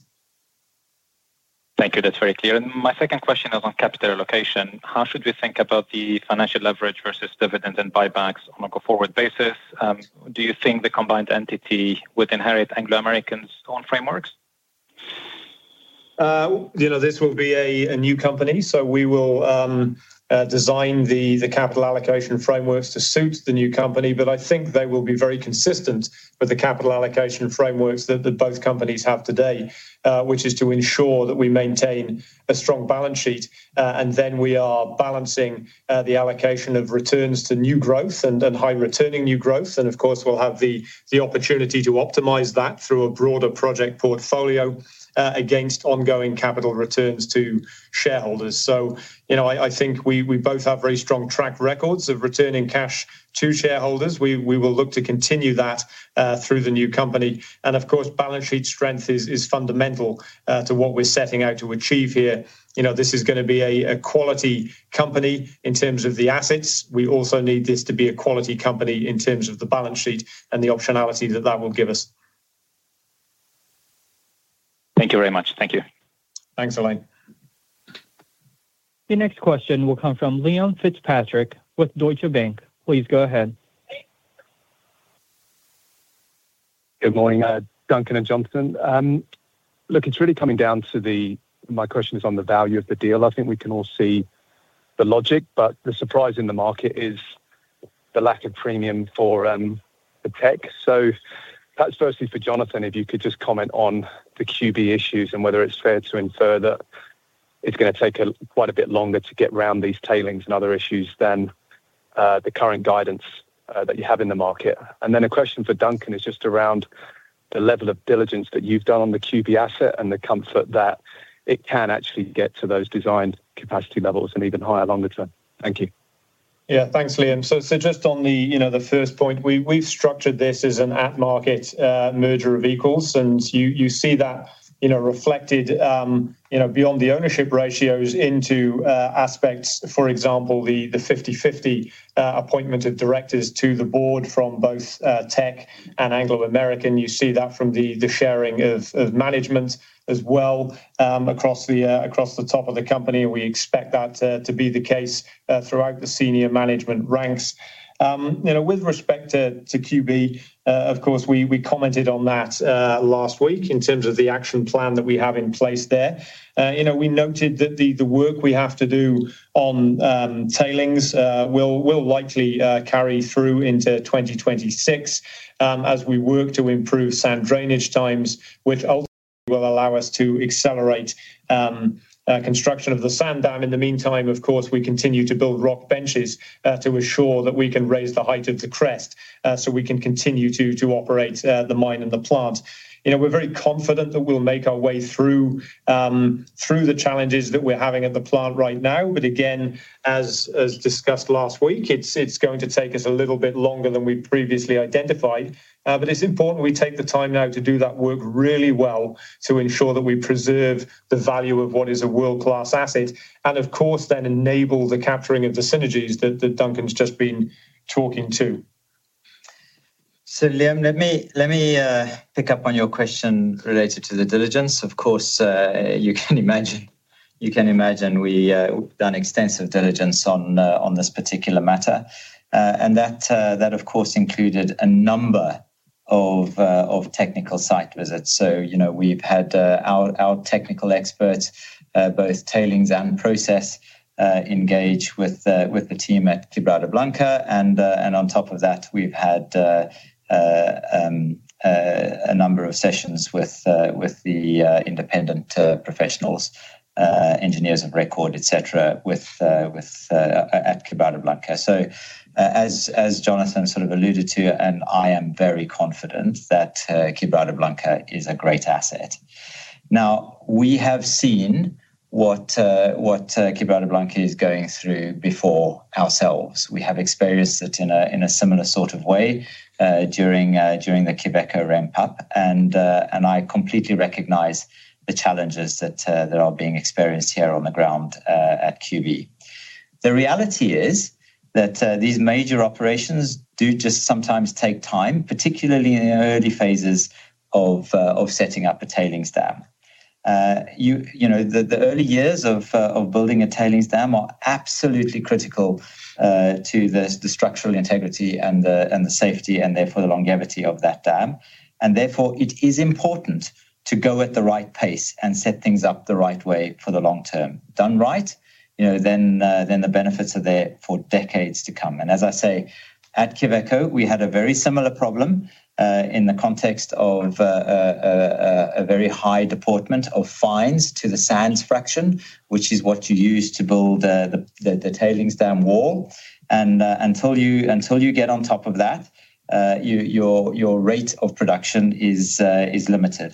Speaker 6: Thank you. That's very clear. My second question is on capital allocation. How should we think about the financial leverage versus dividends and buybacks on a forward basis? Do you think the combined entity would inherit Anglo American's own frameworks?
Speaker 3: This will be a new company, so we will design the capital allocation frameworks to suit the new company, but I think they will be very consistent with the capital allocation frameworks that both companies have today, which is to ensure that we maintain a strong balance sheet, and then we are balancing the allocation of returns to new growth and high returning new growth. We will have the opportunity to optimize that through a broader project portfolio against ongoing capital returns to shareholders. I think we both have very strong track records of returning cash to shareholders. We will look to continue that through the new company. Balance sheet strength is fundamental to what we're setting out to achieve here. This is going to be a quality company in terms of the assets. We also need this to be a quality company in terms of the balance sheet and the optionality that that will give us.
Speaker 6: Thank you very much. Thank you.
Speaker 3: Thanks, Alain.
Speaker 1: The next question will come from Liam Fitzpatrick with Deutsche Bank. Please go ahead.
Speaker 7: Good morning, Duncan and Jonathan. Look, it's really coming down to the, my question is on the value of the deal. I think we can all see the logic, but the surprise in the market is the lack of premium for Teck. So that's firstly for Jonathan. If you could just comment on the QB issues and whether it's fair to infer that it's going to take quite a bit longer to get around these tailings and other issues than the current guidance that you have in the market. Then a question for Duncan is just around the level of diligence that you've done on the QB asset and the comfort that it can actually get to those designed capacity levels and even higher longer term. Thank you. Yeah, thanks, Leon.
Speaker 3: Just on the first point, we've structured this as an at-market merger of equals, and you see that reflected beyond the ownership ratios into aspects, for example, the 50/50 appointment of directors to the board from both Teck and Anglo American. You see that from the sharing of management as well across the top of the company, and we expect that to be the case throughout the senior management ranks. With respect to QB, of course, we commented on that last week in terms of the action plan that we have in place there. We noted that the work we have to do on tailings will likely carry through into 2026 as we work to improve sand drainage times, which ultimately will allow us to accelerate construction of the sand dam. In the meantime, we continue to build rock benches to ensure that we can raise the height of the crest so we can continue to operate the mine and the plant. We're very confident that we'll make our way through the challenges that we're having at the plant right now. As discussed last week, it's going to take us a little bit longer than we previously identified. It's important that we take the time now to do that work really well to ensure that we preserve the value of what is a world-class asset and, of course, then enable the capturing of the synergies that Duncan's just been talking to.
Speaker 2: Liam let me pick up on your question related to the diligence. Of course, you can imagine we've done extensive diligence on this particular matter. That, of course, included a number of technical site visits. We've had our technical experts, both tailings and process, engage with the team at Quebrada Blanca. On top of that, we've had a number of sessions with the independent professionals, engineers of record, et cetera, at Quebrada Blanca. As Jonathan sort of alluded to, I am very confident that Quebrada Blanca is a great asset. We have seen what Quebrada Blanca is going through before ourselves. We have experienced it in a similar sort of way during the Quebrada ramp-up. I completely recognize the challenges that are being experienced here on the ground at QB. The reality is that these major operations do just sometimes take time, particularly in the early phases of setting up a tailings dam. The early years of building a tailings dam are absolutely critical to the structural integrity and the safety, and therefore the longevity of that dam. Therefore, it is important to go at the right pace and set things up the right way for the long term. Done right, the benefits are there for decades to come. As I say, at Quebrada, we had a very similar problem in the context of a very high deportment of fines to the sands fraction, which is what you use to build the tailings dam wall. Until you get on top of that, your rate of production is limited.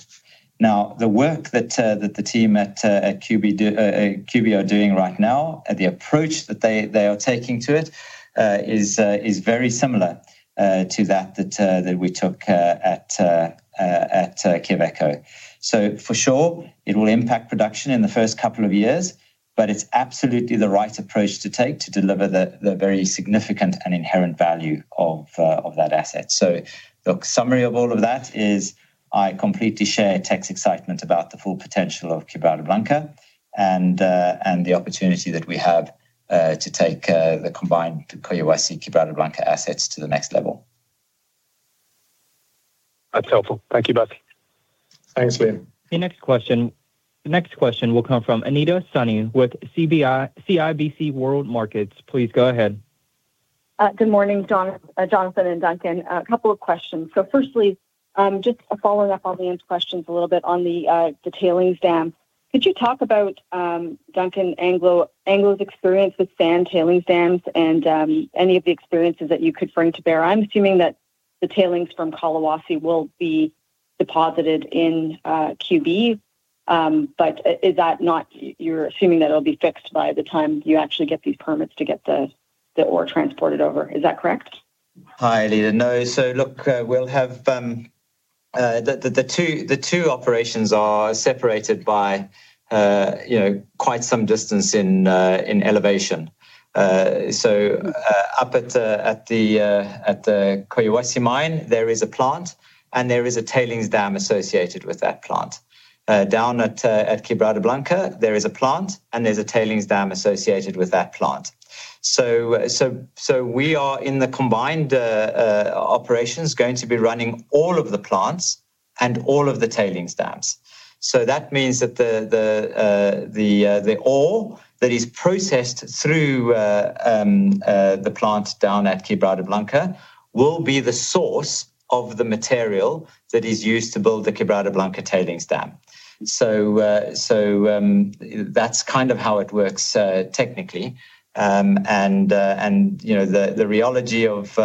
Speaker 2: The work that the team at QB are doing right now, the approach that they are taking to it is very similar to that that we took at Quebrada. For sure, it will impact production in the first couple of years, but it's absolutely the right approach to take to deliver the very significant and inherent value of that asset. In summary, I completely share Teck Resources' excitement about the full potential of Quebrada Blanca and the opportunity that we have to take the combined Koyawasi Quebrada Blanca assets to the next level.
Speaker 3: That's helpful. Thank you both. Thanks, Liam.
Speaker 1: The next question will come from Anita Soni with CIBC World Markets. Please go ahead.
Speaker 8: Good morning, Jonathan and Duncan. A couple of questions. Firstly, just following up on the questions a little bit on the tailings dam, could you talk about Duncan, Anglo American's experience with sand tailings dams and any of the experiences that you could bring to bear? I'm assuming that the tailings from Quebrada Blanca (Koyawasi) will be deposited in Quebrada Blanca (QB), but is that not, you're assuming that it'll be fixed by the time you actually get these permits to get the ore transported over. Is that correct?
Speaker 2: Hi, Anita. No. We'll have the two operations separated by quite some distance in elevation. Up at the Quebrada Blanca (Koyawasi) mine, there is a plant, and there is a tailings dam associated with that plant. Down at Quebrada Blanca, there is a plant, and there's a tailings dam associated with that plant. In the combined operations, we are going to be running all of the plants and all of the tailings dams. That means the ore that is processed through the plant down at Quebrada Blanca will be the source of the material that is used to build the Quebrada Blanca tailings dam. That's kind of how it works technically. The reality of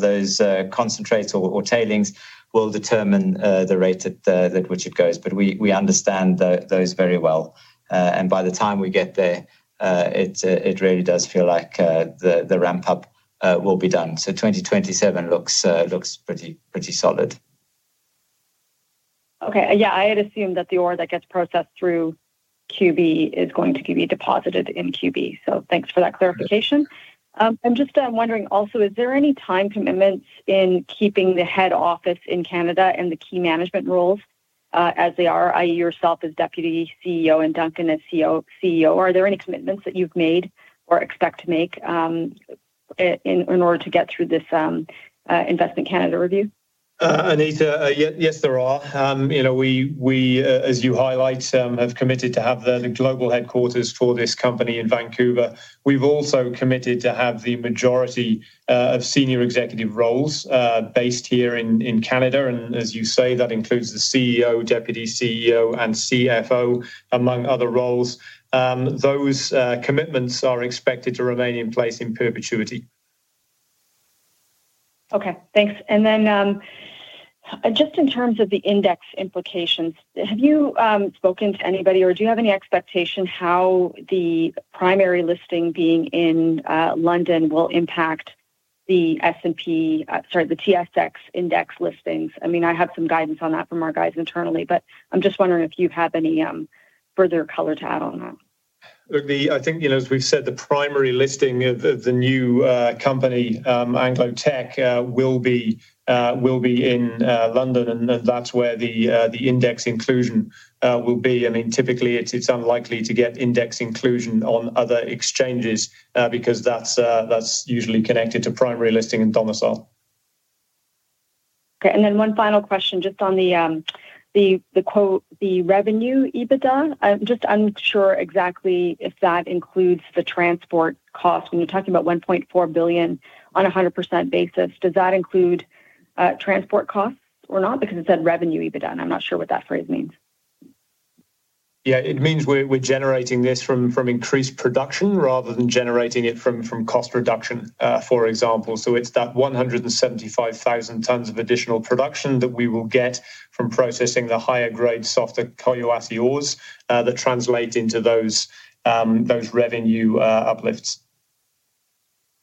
Speaker 2: those concentrates or tailings will determine the rate at which it goes. We understand those very well. By the time we get there, it really does feel like the ramp-up will be done. 2027 looks pretty solid.
Speaker 8: Okay. Yeah, I had assumed that the ore that gets processed through QB is going to be deposited in QB. Thanks for that clarification. I'm just wondering also, is there any time commitments in keeping the head office in Canada and the key management roles as they are, i.e., yourself as Deputy CEO and Duncan as CEO? Are there any commitments that you've made or expect to make in order to get through this Investment Canada review?
Speaker 3: Anita, yes, there are. We, as you highlight, have committed to have the global headquarters for this company in Vancouver. We've also committed to have the majority of Senior Executive roles based here in Canada. As you say, that includes the CEO, Deputy CEO, and CFO, among other roles. Those commitments are expected to remain in place in perpetuity.
Speaker 8: Okay. Thanks. In terms of the index implications, have you spoken to anybody, or do you have any expectation how the primary listing being in London will impact the S&P, sorry, the TSX index listings? I have some guidance on that from our guys internally, but I'm just wondering if you have any further color to add on that.
Speaker 3: I think, as we've said, the primary listing of the new company, AngloTech, will be in London, and that's where the index inclusion will be. I mean, typically, it's unlikely to get index inclusion on other exchanges because that's usually connected to primary listing and domicile.
Speaker 8: Okay. One final question just on the revenue EBITDA. I'm just unsure exactly if that includes the transport cost. When you're talking about $1.4 billion on a 100% basis, does that include transport costs or not? Because it said revenue EBITDA, and I'm not sure what that phrase means.
Speaker 3: Yeah, it means we're generating this from increased production rather than generating it from cost reduction, for example. It's that 175,000 tons of additional production that we will get from processing the higher-grade, softer Quebrada Blanca (Koyawasi) ores that translate into those revenue uplifts.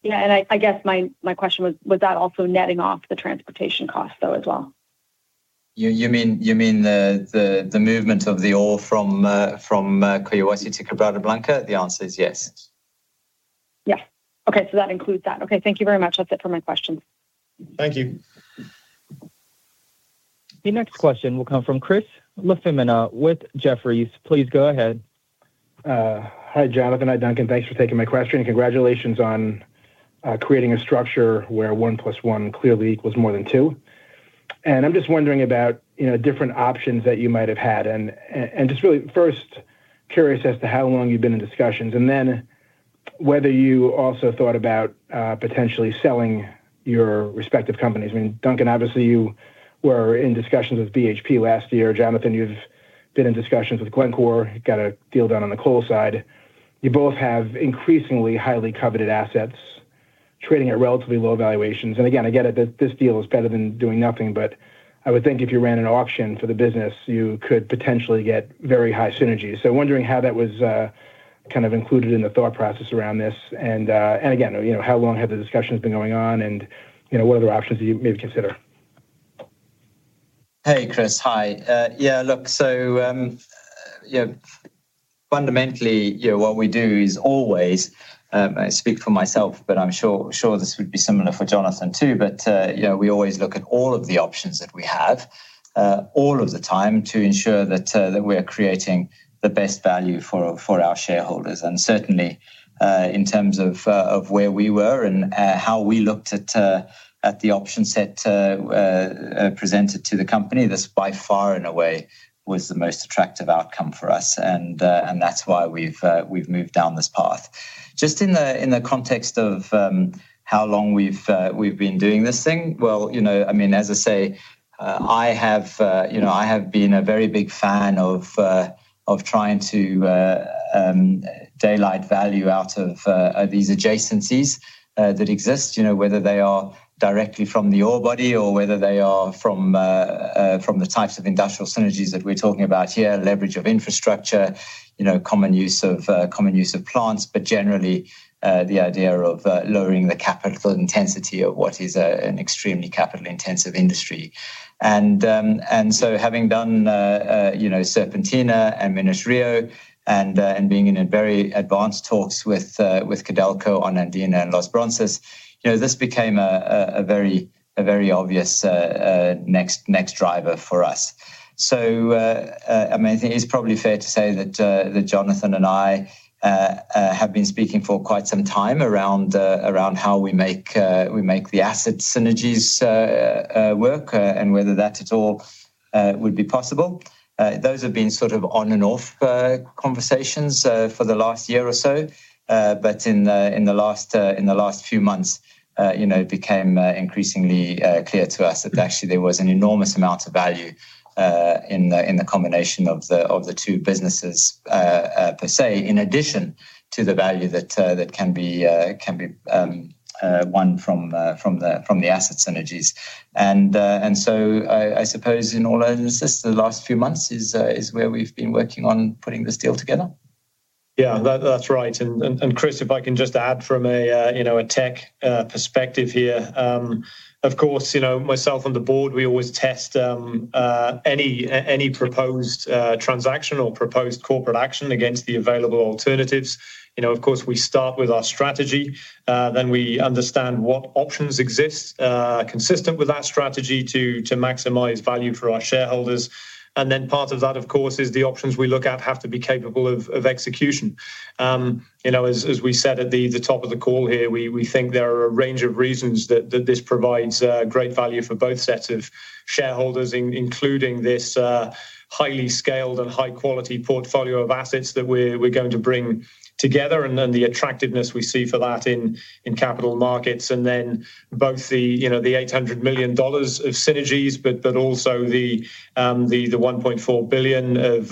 Speaker 8: Yeah, I guess my question was, was that also netting off the transportation costs, though, as well?
Speaker 2: You mean the movement of the ore from Quebrada Blanca (Koyawasi) to Quebrada Blanca? The answer is yes.
Speaker 8: Yeah, okay, so that includes that. Okay, thank you very much. That's it for my questions.
Speaker 3: Thank you.
Speaker 1: The next question will come from Chris LaFemina with Jefferies. Please go ahead.
Speaker 9: Hi Jonathan, hi Duncan. Thanks for taking my question and congratulations on creating a structure where one plus one clearly equals more than two. I'm just wondering about different options that you might have had and just really first curious as to how long you've been in discussions and whether you also thought about potentially selling your respective companies. I mean, Duncan, obviously you were in discussions with BHP last year. Jonathan, you've been in discussions with Glencore. You've got a deal done on the coal side. You both have increasingly highly coveted assets trading at relatively low valuations. I get it that this deal is better than doing nothing, but I would think if you ran an auction for the business, you could potentially get very high synergies. Wondering how that was kind of included in the thought process around this and how long have the discussions been going on and what other options do you maybe consider?
Speaker 2: Hey Chris, hi. Yeah, look, so fundamentally, what we do is always, I speak for myself, but I'm sure this would be similar for Jonathan too, but we always look at all of the options that we have all of the time to ensure that we are creating the best value for our shareholders. Certainly, in terms of where we were and how we looked at the option set presented to the company, this by far in a way was the most attractive outcome for us. That's why we've moved down this path. Just in the context of how long we've been doing this thing, you know, I mean, as I say, I have been a very big fan of trying to daylight value out of these adjacencies that exist, whether they are directly from the ore body or whether they are from the types of industrial synergies that we're talking about here, leverage of infrastructure, common use of plants, but generally the idea of lowering the capital intensity of what is an extremely capital-intensive industry. Having done Serpentina and Minas Rios and being in very advanced talks with Codelco on Andina and Los Bronces, this became a very obvious next driver for us. I think it's probably fair to say that Jonathan and I have been speaking for quite some time around how we make the asset synergies work and whether that at all would be possible. Those have been sort of on and off conversations for the last year or so, but in the last few months, it became increasingly clear to us that actually there was an enormous amount of value in the combination of the two businesses per se, in addition to the value that can be won from the asset synergies. I suppose in all instances, the last few months is where we've been working on putting this deal together.
Speaker 3: Yeah, that's right. Chris, if I can just add from a Teck perspective here, of course, myself on the board, we always test any proposed transaction or proposed corporate action against the available alternatives. We start with our strategy, then we understand what options exist consistent with our strategy to maximize value for our shareholders. Part of that, of course, is the options we look at have to be capable of execution. As we said at the top of the call here, we think there are a range of reasons that this provides great value for both sets of shareholders, including this highly scaled and high-quality portfolio of assets that we're going to bring together and the attractiveness we see for that in capital markets. Both the $800 million of synergies and the $1.4 billion of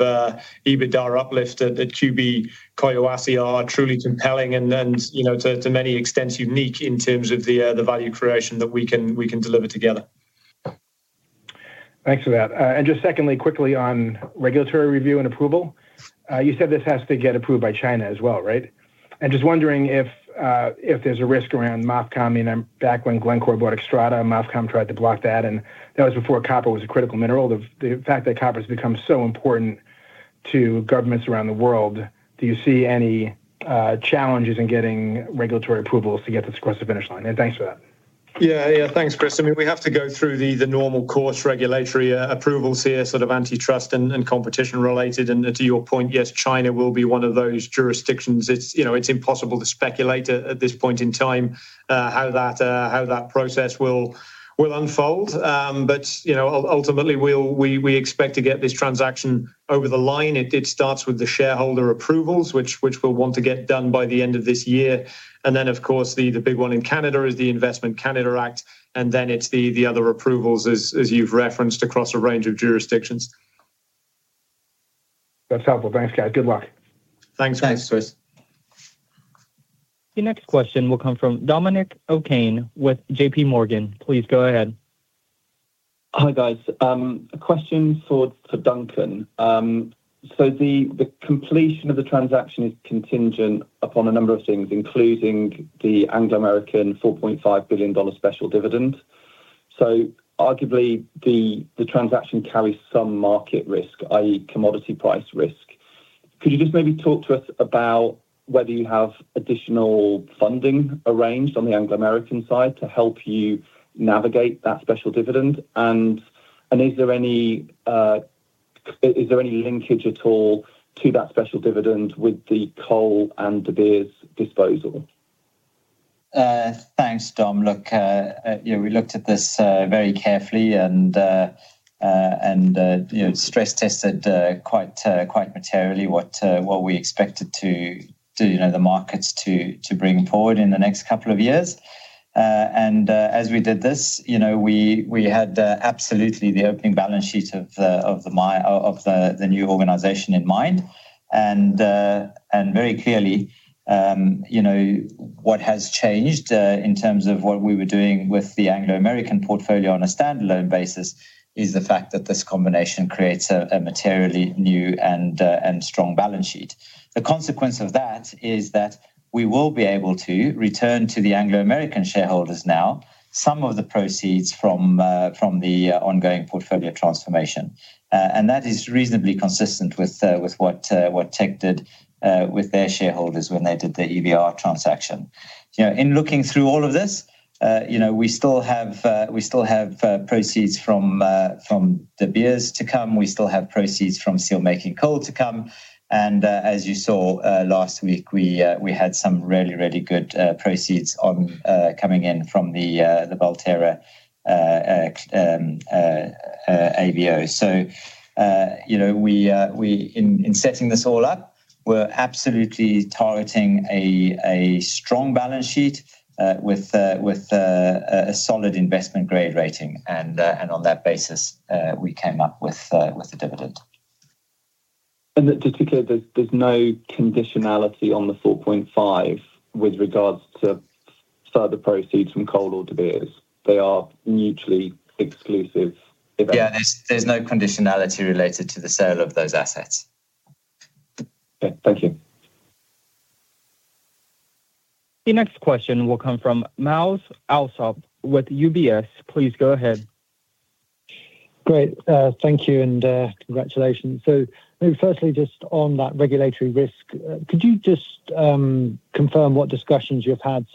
Speaker 3: EBITDA uplift at QB Koyawasi are truly compelling and, to many extents, unique in terms of the value creation that we can deliver together.
Speaker 9: Thanks for that. Just secondly, quickly on regulatory review and approval, you said this has to get approved by China as well, right? I'm just wondering if there's a risk around MOFCOM. Back when Glencore bought Xstrata, MOFCOM tried to block that, and that was before copper was a critical mineral. The fact that copper has become so important to governments around the world, do you see any challenges in getting regulatory approvals to get this across the finish line? Thanks for that.
Speaker 3: Yeah, thanks, Chris. I mean, we have to go through the normal course regulatory approvals here, sort of antitrust and competition related. To your point, yes, China will be one of those jurisdictions. It's impossible to speculate at this point in time how that process will unfold. Ultimately, we expect to get this transaction over the line. It starts with the shareholder approvals, which we'll want to get done by the end of this year. The big one in Canada is the Investment Canada Act. Then it's the other approvals, as you've referenced, across a range of jurisdictions.
Speaker 9: That's helpful. Thanks, guys. Good luck. Thanks, Chris.
Speaker 1: The next question will come from Dominic OKane with JP Morgan. Please go ahead.
Speaker 10: Hi guys. A question for Duncan. The completion of the transaction is contingent upon a number of things, including the Anglo American $4.5 billion special dividend. Arguably, the transaction carries some market risk, i.e., commodity price risk. Could you just maybe talk to us about whether you have additional funding arranged on the Anglo American side to help you navigate that special dividend? Is there any linkage at all to that special dividend with the coal and the De Beers disposal?
Speaker 2: Thanks, Tom. Look, we looked at this very carefully and stress-tested quite materially what we expected to do, you know, the markets to bring forward in the next couple of years. As we did this, you know, we had absolutely the opening balance sheet of the new organization in mind. Very clearly, you know, what has changed in terms of what we were doing with the Anglo American portfolio on a standalone basis is the fact that this combination creates a materially new and strong balance sheet. The consequence of that is that we will be able to return to the Anglo American shareholders now some of the proceeds from the ongoing portfolio transformation. That is reasonably consistent with what Teck did with their shareholders when they did the EBR transaction. In looking through all of this, you know, we still have proceeds from De Beers to come. We still have proceeds from steelmaking coal to come. As you saw last week, we had some really, really good proceeds coming in from the Volterra ABO. In setting this all up, we're absolutely targeting a strong balance sheet with a solid investment grade rating. On that basis, we came up with the dividend.
Speaker 10: To be clear, there's no conditionality on the $4.5 billion with regards to further proceeds from coal or De Beers. They are mutually exclusive.
Speaker 2: Yeah, there's no conditionality related to the sale of those assets.
Speaker 10: Thank you.
Speaker 1: The next question will come from Myles Allsop with UBS. Please go ahead.
Speaker 11: Great. Thank you and congratulations. Maybe firstly, just on that regulatory risk, could you just confirm what discussions you've had?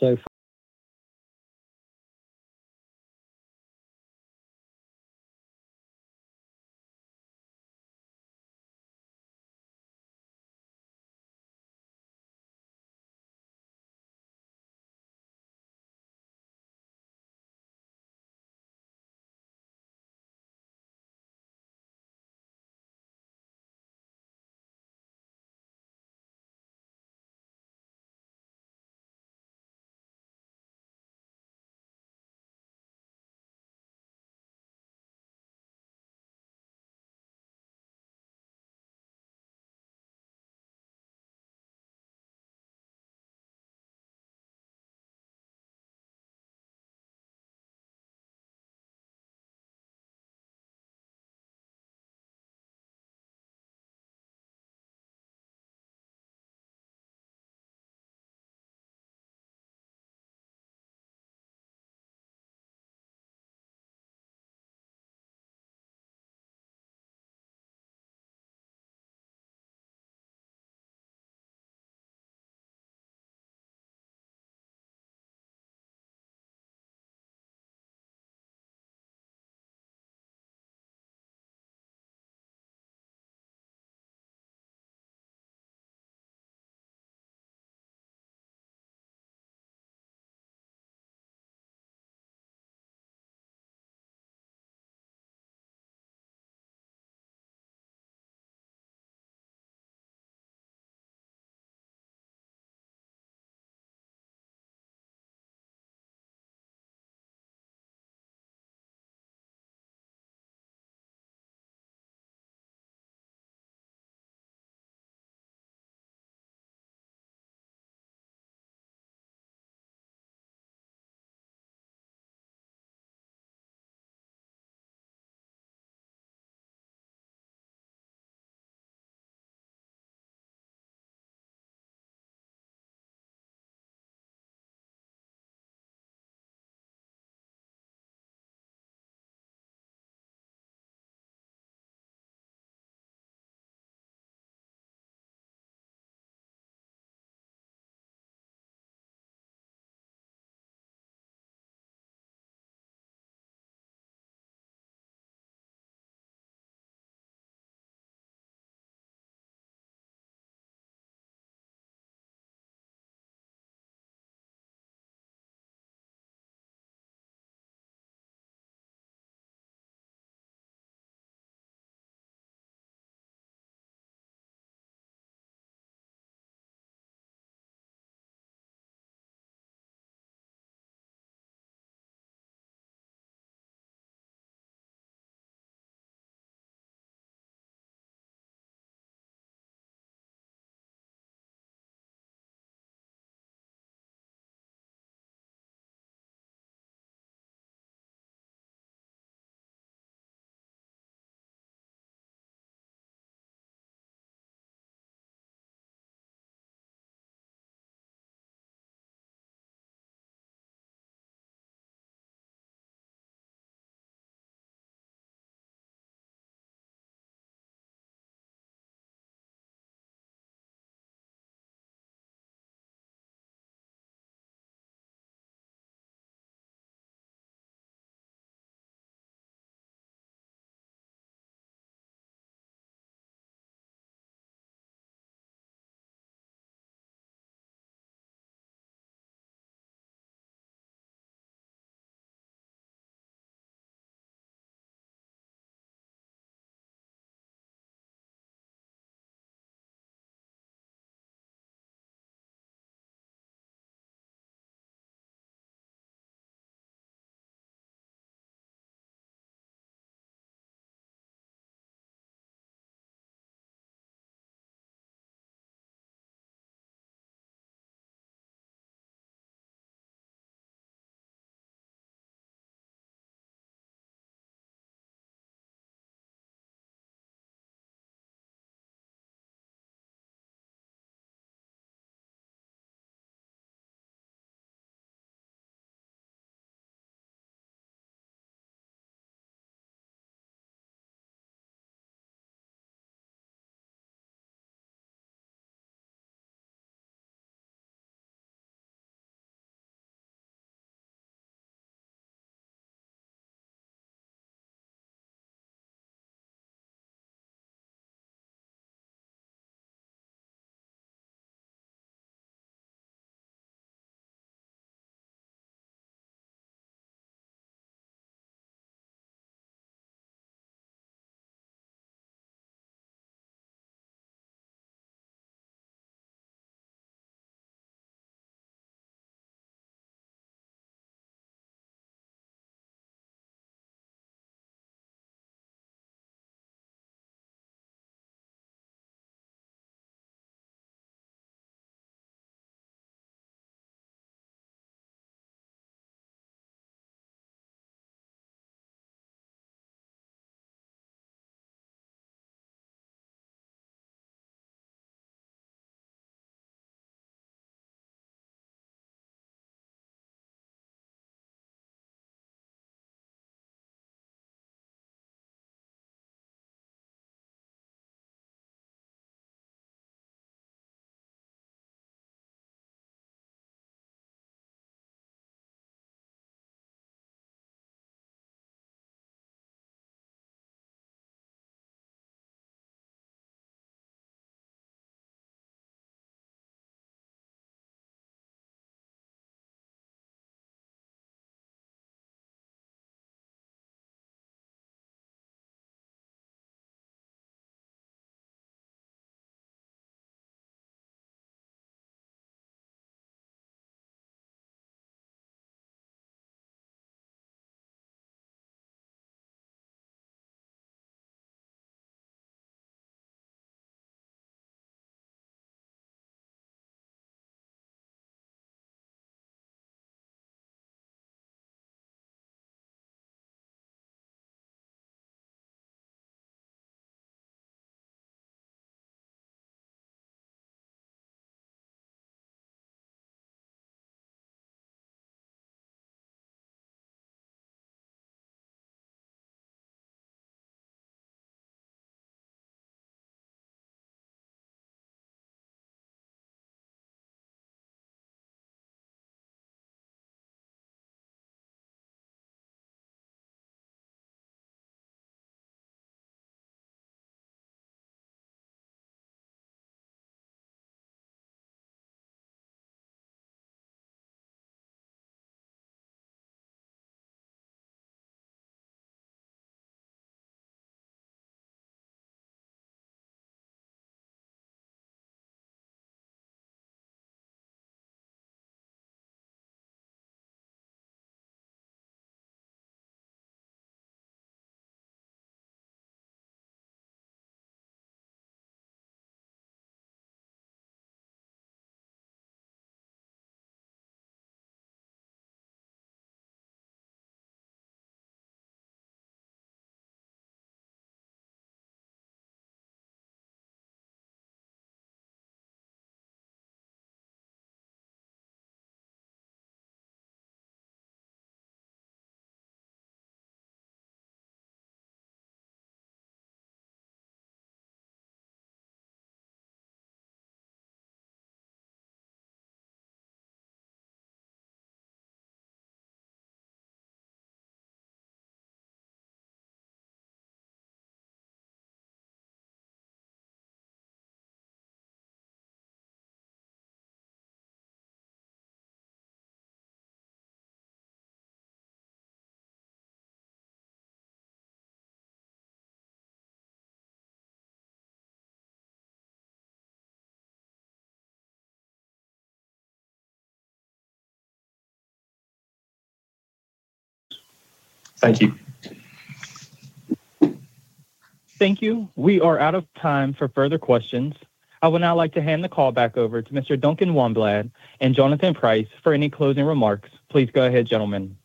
Speaker 1: We are out of time for further questions. I would now like to hand the call back over to Mr. Duncan Wanblad and Jonathan Price for any closing remarks. Please go ahead, gentlemen.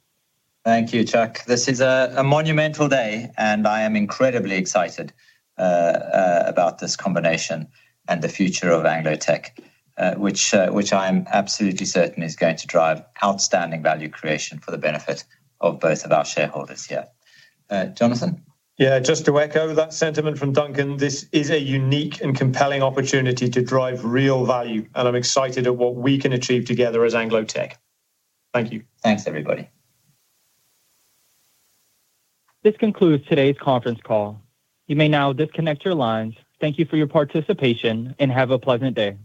Speaker 2: Thank you, Chuck. This is a monumental day, and I am incredibly excited about this combination and the future of AngloTech, which I am absolutely certain is going to drive outstanding value creation for the benefit of both of our shareholders here. Jonathan?
Speaker 3: Yeah, just to echo that sentiment from Duncan, this is a unique and compelling opportunity to drive real value, and I'm excited at what we can achieve together as AngloTech. Thank you.
Speaker 2: Thanks, everybody.
Speaker 1: This concludes today's conference call. You may now disconnect your lines. Thank you for your participation and have a pleasant day.